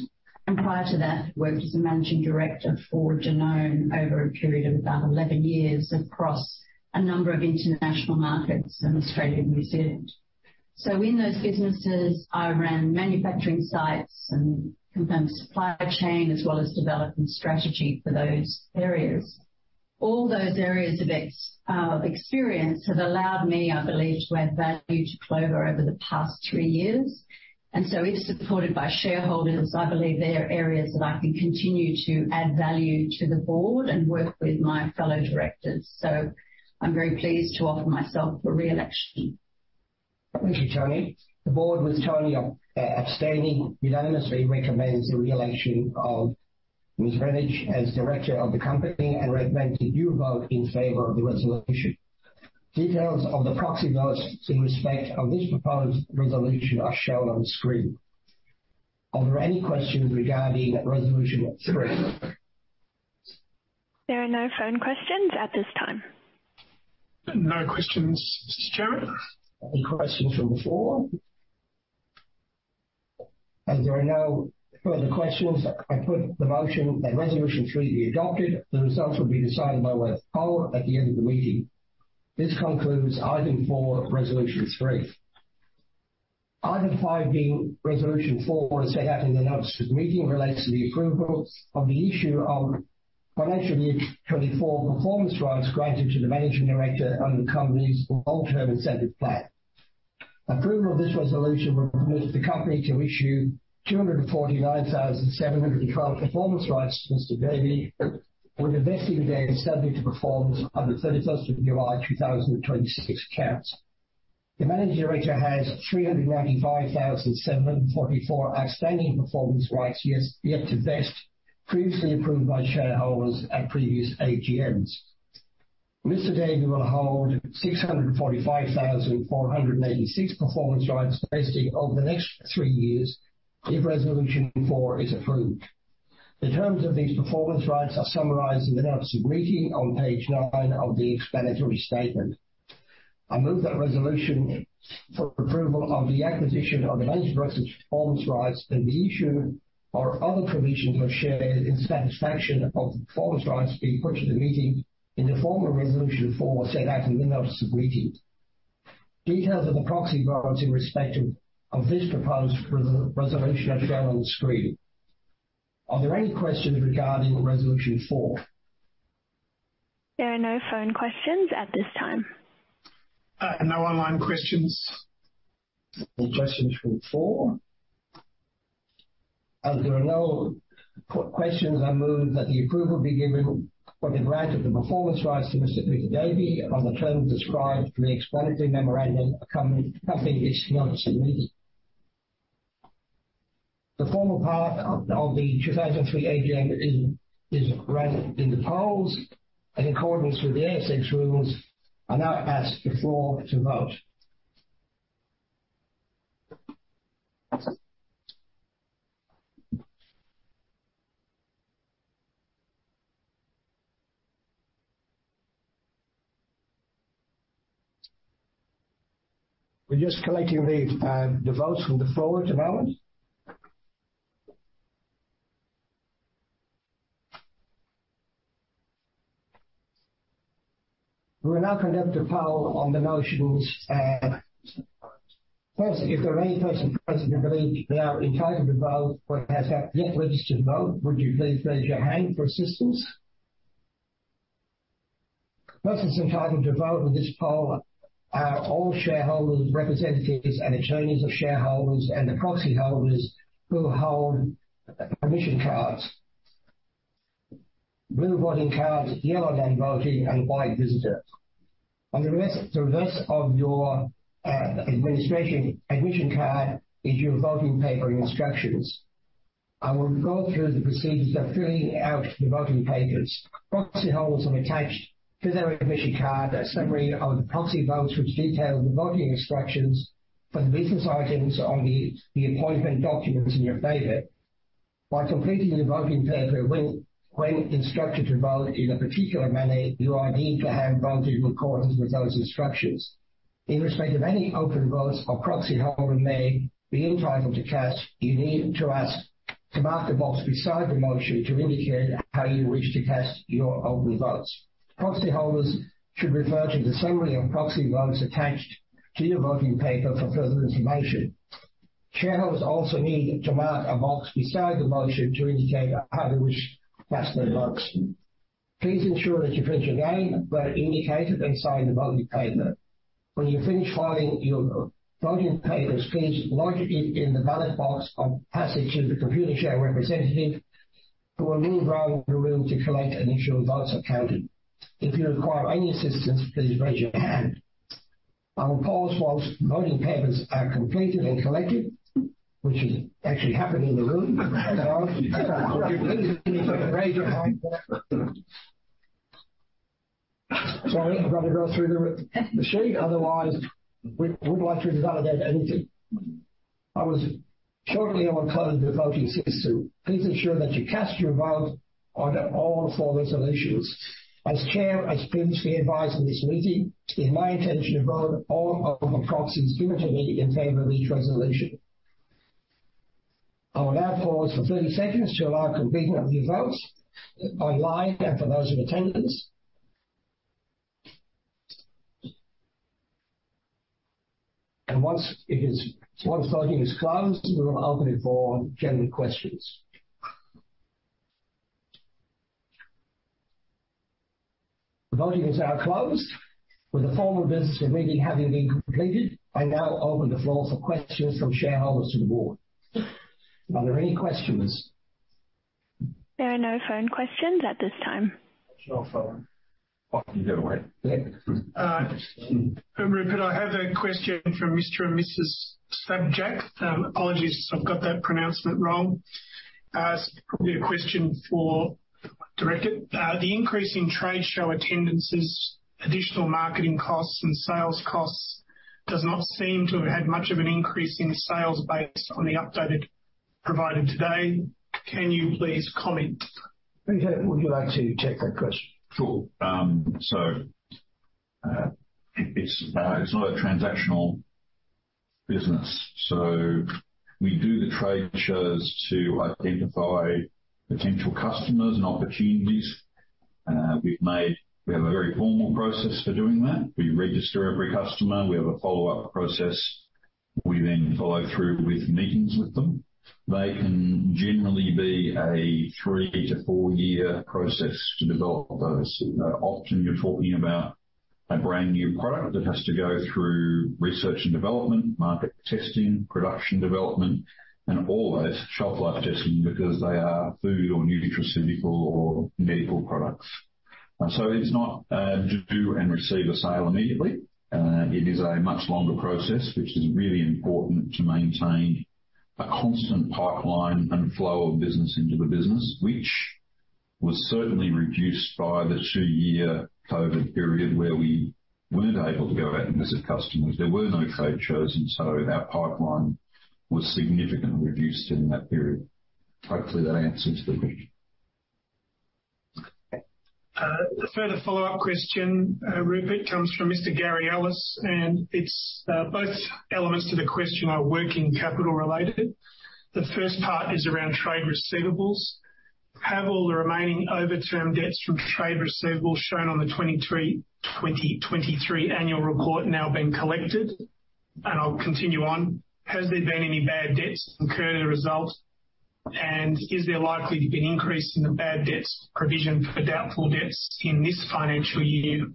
and prior to that, worked as a managing director for Danone over a period of about 11 years across a number of international markets in Australia and New Zealand. So in those businesses, I ran manufacturing sites and confirmed supply chain, as well as developing strategy for those areas. All those areas of experience have allowed me, I believe, to add value to Clover over the past 3 years, and so if supported by shareholders, I believe there are areas that I can continue to add value to the board and work with my fellow directors. So I'm very pleased to offer myself for re-election. Thank you, Toni. The board, with Toni abstaining, unanimously recommends the re-election of Ms. Brennich as director of the company and recommends that you vote in favor of the resolution. Details of the proxy votes in respect of this proposed resolution are shown on the screen. Are there any questions regarding Resolution 3? There are no phone questions at this time. No questions, Mr. Chairman. Any questions from the floor? As there are no further questions, I put the motion that Resolution 3 be adopted. The results will be decided by way of poll at the end of the meeting. This concludes item four, Resolution 3. Item five, being Resolution 4, as set out in the notice of the meeting, relates to the approval of the issue of financial year 2024 performance rights granted to the Managing Director under the company's long-term incentive plan. Approval of this resolution will permit the company to issue 249,712 performance rights to Mr. Davey, with vesting there subject to performance on the 31st of July 2026 conditions. The Managing Director has 395,744 outstanding performance rights, yes, yet to vest, previously approved by shareholders at previous AGMs. Mr. Davey will hold 645,486 performance rights vested over the next 3 years if Resolution 4 is approved. The terms of these performance rights are summarized in the notice of meeting on page 9 of the explanatory statement. I move that resolution for approval of the acquisition of the managing director's performance rights, and the issue or other provisions of shares in satisfaction of the performance rights be put to the meeting in the form of Resolution 4, set out in the notice of meeting. Details of the proxy votes in respect of this proposed resolution are shown on the screen. Are there any questions regarding Resolution 4? There are no phone questions at this time. No online questions. Any questions from the floor? As there are no questions, I move that the approval be given for the grant of the performance rights to Mr. Peter Davey on the terms described in the explanatory memorandum accompanying this notice of meeting. The formal part of the 2023 AGM is right in the polls. In accordance with the ASX rules, I now ask the floor to vote. We're just collecting the votes from the forward ballot. We will now conduct a poll on the motions. First, if there are any person present, you believe they are entitled to vote or has yet registered to vote, would you please raise your hand for assistance? Persons entitled to vote with this poll are all shareholders, representatives, and attorneys of shareholders, and the proxy holders who hold admission cards. Blue voting cards, yellow non-voting, and white visitor. On the reverse of your administration admission card is your voting paper instructions. I will go through the procedures of filling out the voting papers. Proxy holders have attached to their admission card, a summary of the proxy votes, which detail the voting instructions for the business items on the appointment documents in your favor. By completing the voting paper when instructed to vote in a particular manner, you are deemed to have voted in accordance with those instructions. In respect of any open votes a proxy holder may be entitled to cast, you need to ask to mark the box beside the motion to indicate how you wish to cast your open votes. Proxy holders should refer to the summary on proxy votes attached to your voting paper for further information. Shareholders also need to mark a box beside the motion to indicate how they wish to cast their votes. Please ensure that you finish again, where indicated inside the voting paper. When you finish filing your voting papers, please lodge it in the ballot box or pass it to the Computershare representative who will move around the room to collect and ensure votes are counted. If you require any assistance, please raise your hand. I will pause while voting papers are completed and collected, which is actually happening in the room. Raise your hand. Sorry, I've got to go through the machine, otherwise, we, we would like to validate anything. I will shortly, I will close the voting system. Please ensure that you cast your vote on all four resolutions. As Chair, I previously advised on this meeting, it's been my intention to vote all of the proxies given to me in favor of each resolution. I will now pause for 30 seconds to allow completion of the votes online and for those in attendance. Once voting is closed, we will open it for general questions. The voting is now closed. With the formal business of the meeting having been completed, I now open the floor for questions from shareholders to the board. Are there any questions? There are no phone questions at this time. Sure, phone. You get away. Rupert, I have a question from Mr. and Mrs. Stabback. Apologies if I've got that pronouncement wrong. It's probably a question for director. The increase in trade show attendances, additional marketing costs and sales costs does not seem to have had much of an increase in sales based on the updated provided today. Can you please comment? Peter, would you like to take that question? Sure. So, it's not a transactional business, so we do the trade shows to identify potential customers and opportunities. We've made, we have a very formal process for doing that. We register every customer. We have a follow-up process. We then follow through with meetings with them. They can generally be a 3-4-year process to develop those. Often, you're talking about a brand-new product that has to go through research and development, market testing, production development, and all those shelf life testing because they are food or nutraceutical or medical products. And so it's not, do and receive a sale immediately. It is a much longer process, which is really important to maintain a constant pipeline and flow of business into the business, which was certainly reduced by the two-year COVID period, where we weren't able to go out and visit customers. There were no trade shows, and so our pipeline was significantly reduced in that period. Hopefully, that answers the question. A further follow-up question, Rupert, comes from Mr. Gary Ellis, and it's both elements to the question are working capital related. The first part is around trade receivables. Have all the remaining overdue debts from trade receivables shown on the 2023 annual report now been collected? And I'll continue on: Has there been any bad debts incurred as a result, and is there likely to be an increase in the bad debts provision for doubtful debts in this financial year,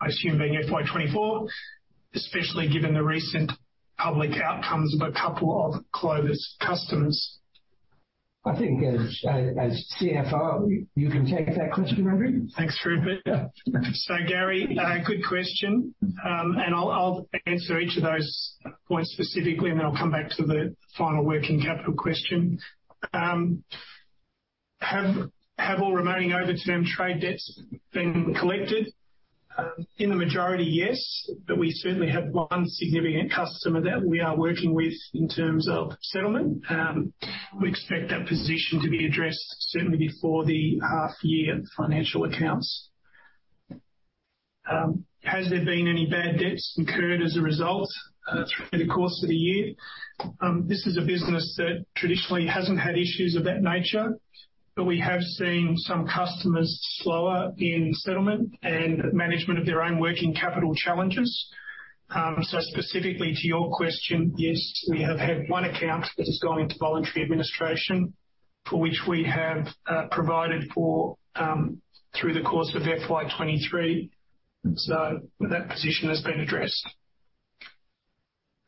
I assume, being FY 2024, especially given the recent public outcomes of a couple of Clover customers? I think as CFO, you can take that question, Andrew. Thanks, Rupert. Yeah. So, Gary, good question. And I'll answer each of those points specifically, and then I'll come back to the final working capital question.... Have all remaining overdue trade debts been collected? In the majority, yes, but we certainly have one significant customer that we are working with in terms of settlement. We expect that position to be addressed certainly before the half-year financial accounts. Has there been any bad debts incurred as a result through the course of the year? This is a business that traditionally hasn't had issues of that nature, but we have seen some customers slower in settlement and management of their own working capital challenges. So specifically to your question, yes, we have had one account that has gone into voluntary administration, for which we have provided for through the course of FY 2023. So that position has been addressed.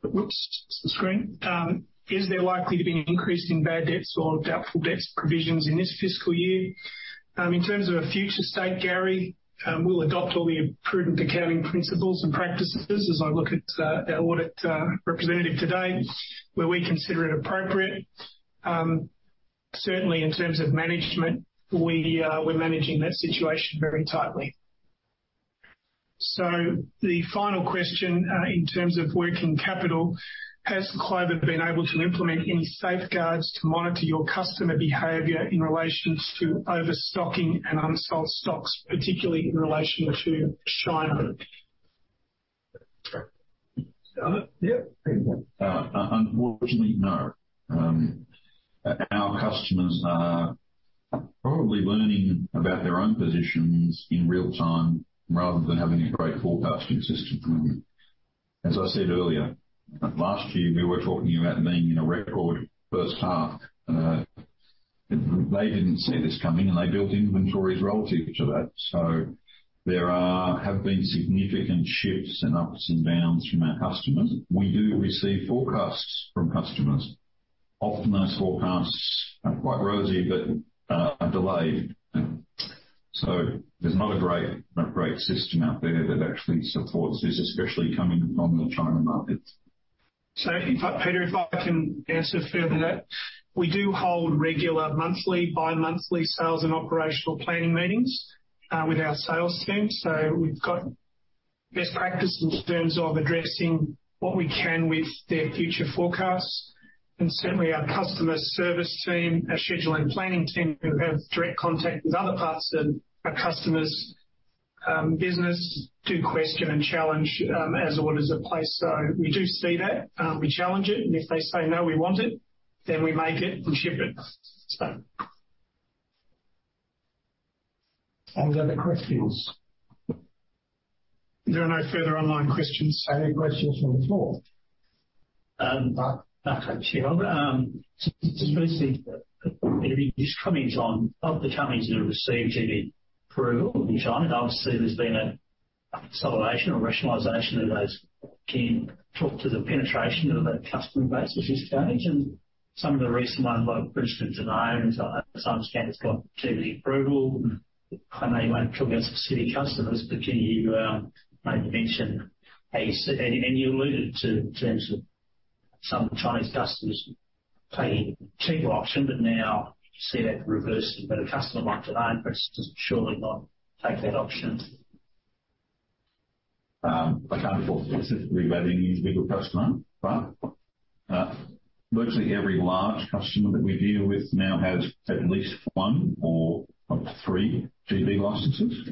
Whoops, the screen. Is there likely to be an increase in bad debts or doubtful debts provisions in this fiscal year? In terms of a future state, Gary, we'll adopt all the prudent accounting principles and practices as I look at our audit representative today, where we consider it appropriate. Certainly in terms of management, we're managing that situation very tightly. So the final question, in terms of working capital, has Clover been able to implement any safeguards to monitor your customer behavior in relations to overstocking and unsold stocks, particularly in relation to China? Yeah. Unfortunately, no. Our customers are probably learning about their own positions in real time rather than having a great forecasting system. As I said earlier, last year, we were talking about being in a record first half. They didn't see this coming, and they built inventories relative to that. So there have been significant shifts and ups and downs from our customers. We do receive forecasts from customers. Often, those forecasts are quite rosy but delayed. So there's not a great system out there that actually supports this, especially coming from the China markets. So, Peter, if I can answer further that. We do hold regular monthly, bi-monthly sales and operational planning meetings with our sales team. So we've got best practice in terms of addressing what we can with their future forecasts. And certainly, our customer service team, our scheduling planning team, who have direct contact with other parts of our customer's business, do question and challenge as orders are placed. So we do see that, we challenge it, and if they say, "No, we want it," then we make it and ship it. So. Any other questions? If there are no further online questions, any questions from the floor? Okay, sure. Just firstly, just coming on, of the companies that have received any approval in China, obviously, there's been a consolidation or rationalization of those. Can you talk to the penetration of that customer base at this stage? And some of the recent ones, like British and Danone, as I understand, it's got GB approval. I know you won't talk about specific customers, but can you maybe mention how you see... And, and you alluded to, in terms of some Chinese customers taking a cheaper option, but now you see that reversed. But a customer like Danone, but it's surely not take that option. I can't talk specifically about any specific customer, but, virtually every large customer that we deal with now has at least 1 or up to 3 GB licenses.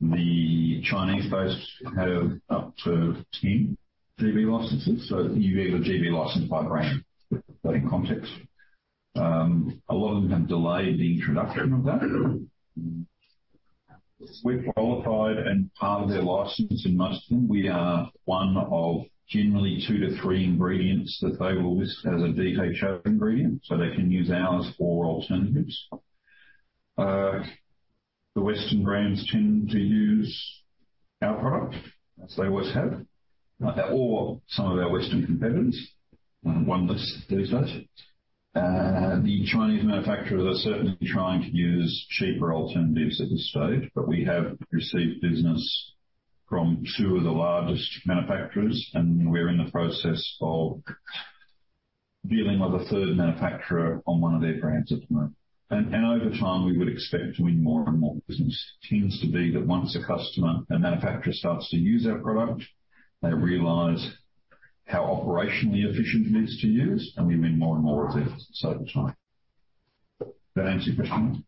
The Chinese-based have up to 10 GB licenses, so you get a GB license by brand, put in context. A lot of them have delayed the introduction of that. We're qualified and part of their license, in most of them, we are one of generally 2-3 ingredients that they will list as a designated ingredient, so they can use ours or alternatives. The Western brands tend to use our product, as they always have, or some of our Western competitors. One does these days. The Chinese manufacturers are certainly trying to use cheaper alternatives at this stage, but we have received business from two of the largest manufacturers, and we're in the process of dealing with a third manufacturer on one of their brands at the moment. And over time, we would expect to win more and more business. It tends to be that once a customer, a manufacturer, starts to use our product, they realize how operationally efficient it is to use, and we win more and more of their sale time. Does that answer your question?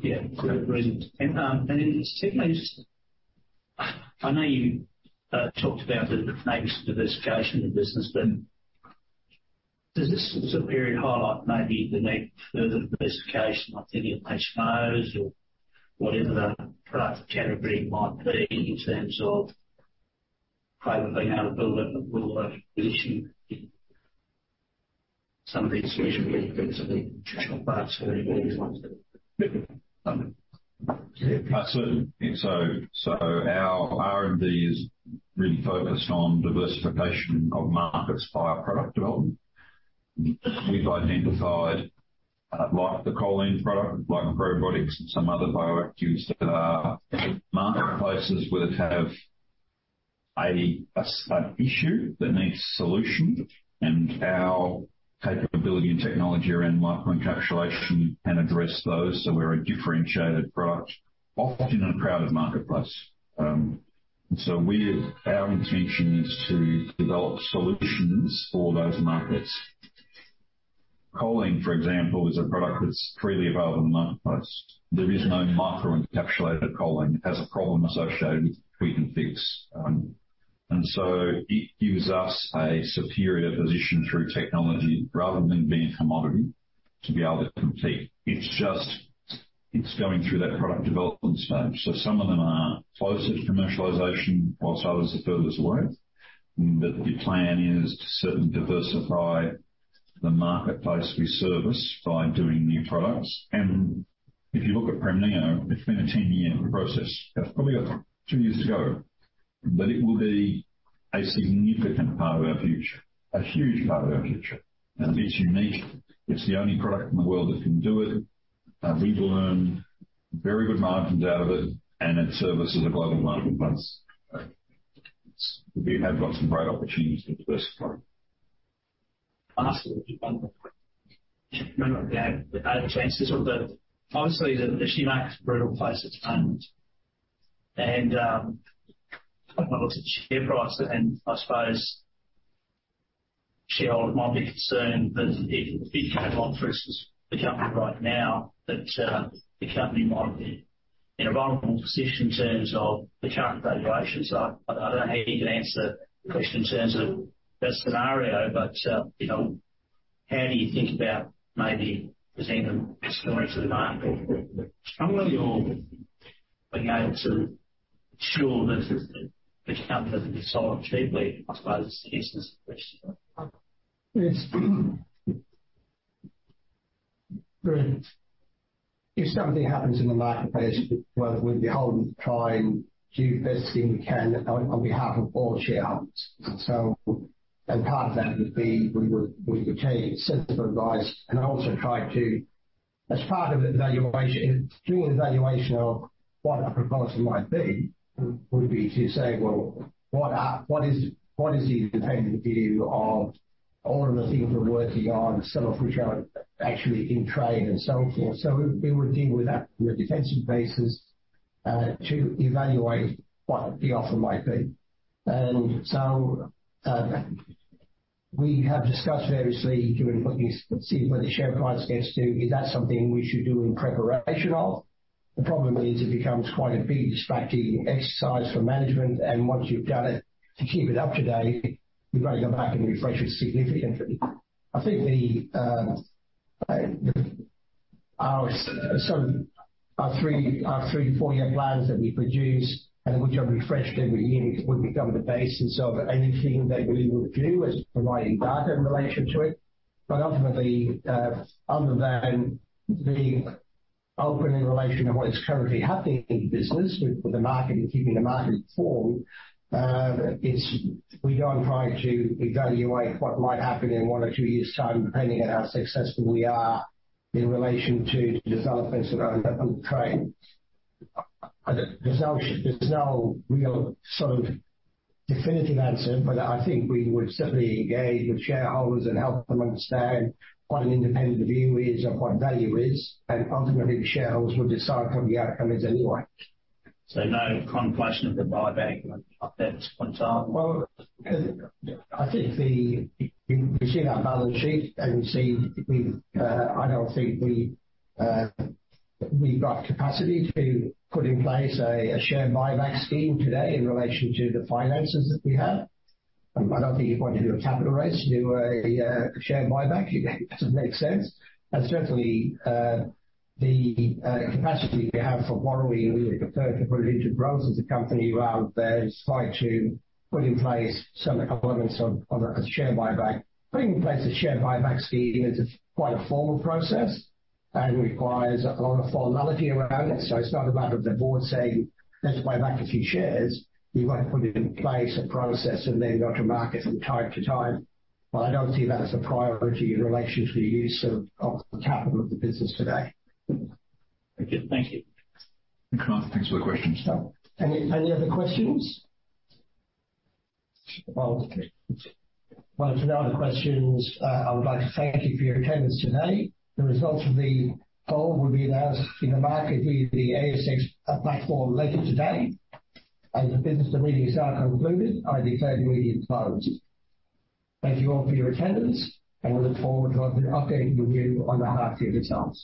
Yeah, great. And secondly, I know you talked about the maybe some diversification of the business, but does this sort of period highlight maybe the need for further diversification, like any HMOs or whatever the product category might be, in terms of privately how to build a position in some of these regional benefits of the traditional parts? Absolutely. So our R&D is really focused on diversification of markets via product development. We've identified, like the choline product, like probiotics and some other bioactives that are marketplaces which have- an issue that needs solution, and our capability and technology around microencapsulation can address those. So we're a differentiated product, often in a crowded marketplace. So our intention is to develop solutions for those markets. Choline, for example, is a product that's freely available in the marketplace. There is no microencapsulated choline. It has a problem associated with we can fix. And so it gives us a superior position through technology rather than being a commodity, to be able to compete. It's just, it's going through that product development stage. So some of them are closer to commercialization, while others are furthest away. But the plan is to certainly diversify the marketplace we service by doing new products. And if you look at Premneo, it's been a 10-year process. It's probably got two years to go, but it will be a significant part of our future, a huge part of our future. And it's unique. It's the only product in the world that can do it. We've learned very good margins out of it, and it services a global marketplace. We have got some great opportunities to diversify. Ask one more question. No, I had a chance to, but obviously, the share market is a brutal place at times. When I look at share price, and I suppose shareholders might be concerned that if, if you came on, for instance, the company right now, that, the company might be in a vulnerable position in terms of the current valuations. I, I don't know how you can answer the question in terms of that scenario, but, you know, how do you think about maybe presenting a story to the market strongly or being able to ensure that the, the company doesn't be sold cheaply, I suppose, is the question? Yes. If something happens in the marketplace, well, we'd be holding, try and do the best thing we can on, on behalf of all shareholders. So, and part of that would be, we would, we would take sensible advice, and also try to, as part of the evaluation, doing an evaluation of what our proposal might be, would be to say, well, what are-- what is, what is the independent view of all of the things we're working on, some of which are actually in train and so forth. So we would deal with that on a defensive basis, to evaluate what the offer might be. And so, we have discussed variously, given what we see where the share price gets to, is that something we should do in preparation of? The problem is it becomes quite a big distracting exercise for management, and once you've done it, to keep it up to date, you've got to go back and refresh it significantly. I think so our 3-4-year plans that we produce and which are refreshed every year would become the basis of anything that we would do as providing data in relation to it. But ultimately, other than the opening in relation to what is currently happening in the business with the market and keeping the market informed, it's. We don't try to evaluate what might happen in 1 or 2 years' time, depending on how successful we are in relation to the developments around the training. There's no real sort of definitive answer, but I think we would certainly engage with shareholders and help them understand what an independent view is and what value is, and ultimately, the shareholders will decide what the outcome is anyway. So no contemplation of the buyback at this point in time? Well, I think. You've seen our balance sheet, and you see, we, I don't think we've got capacity to put in place a share buyback scheme today in relation to the finances that we have. I don't think you'd want to do a capital raise to do a share buyback. It doesn't make sense. And certainly, the capacity we have for borrowing, we would prefer to put it into growth as a company rather than try to put in place some elements of a share buyback. Putting in place a share buyback scheme is quite a formal process and requires a lot of formality around it. So it's not a matter of the board saying, "Let's buy back a few shares." You might put in place a process and then go to market from time to time. But I don't see that as a priority in relation to the use of the capital of the business today. Okay. Thank you. Thanks for the question. Any other questions? Well, if no other questions, I would like to thank you for your attendance today. The results of the call will be announced in the market via the ASX platform later today. The business and meeting are concluded. I declare the meeting closed. Thank you all for your attendance, and we look forward to updating you again on the half year results.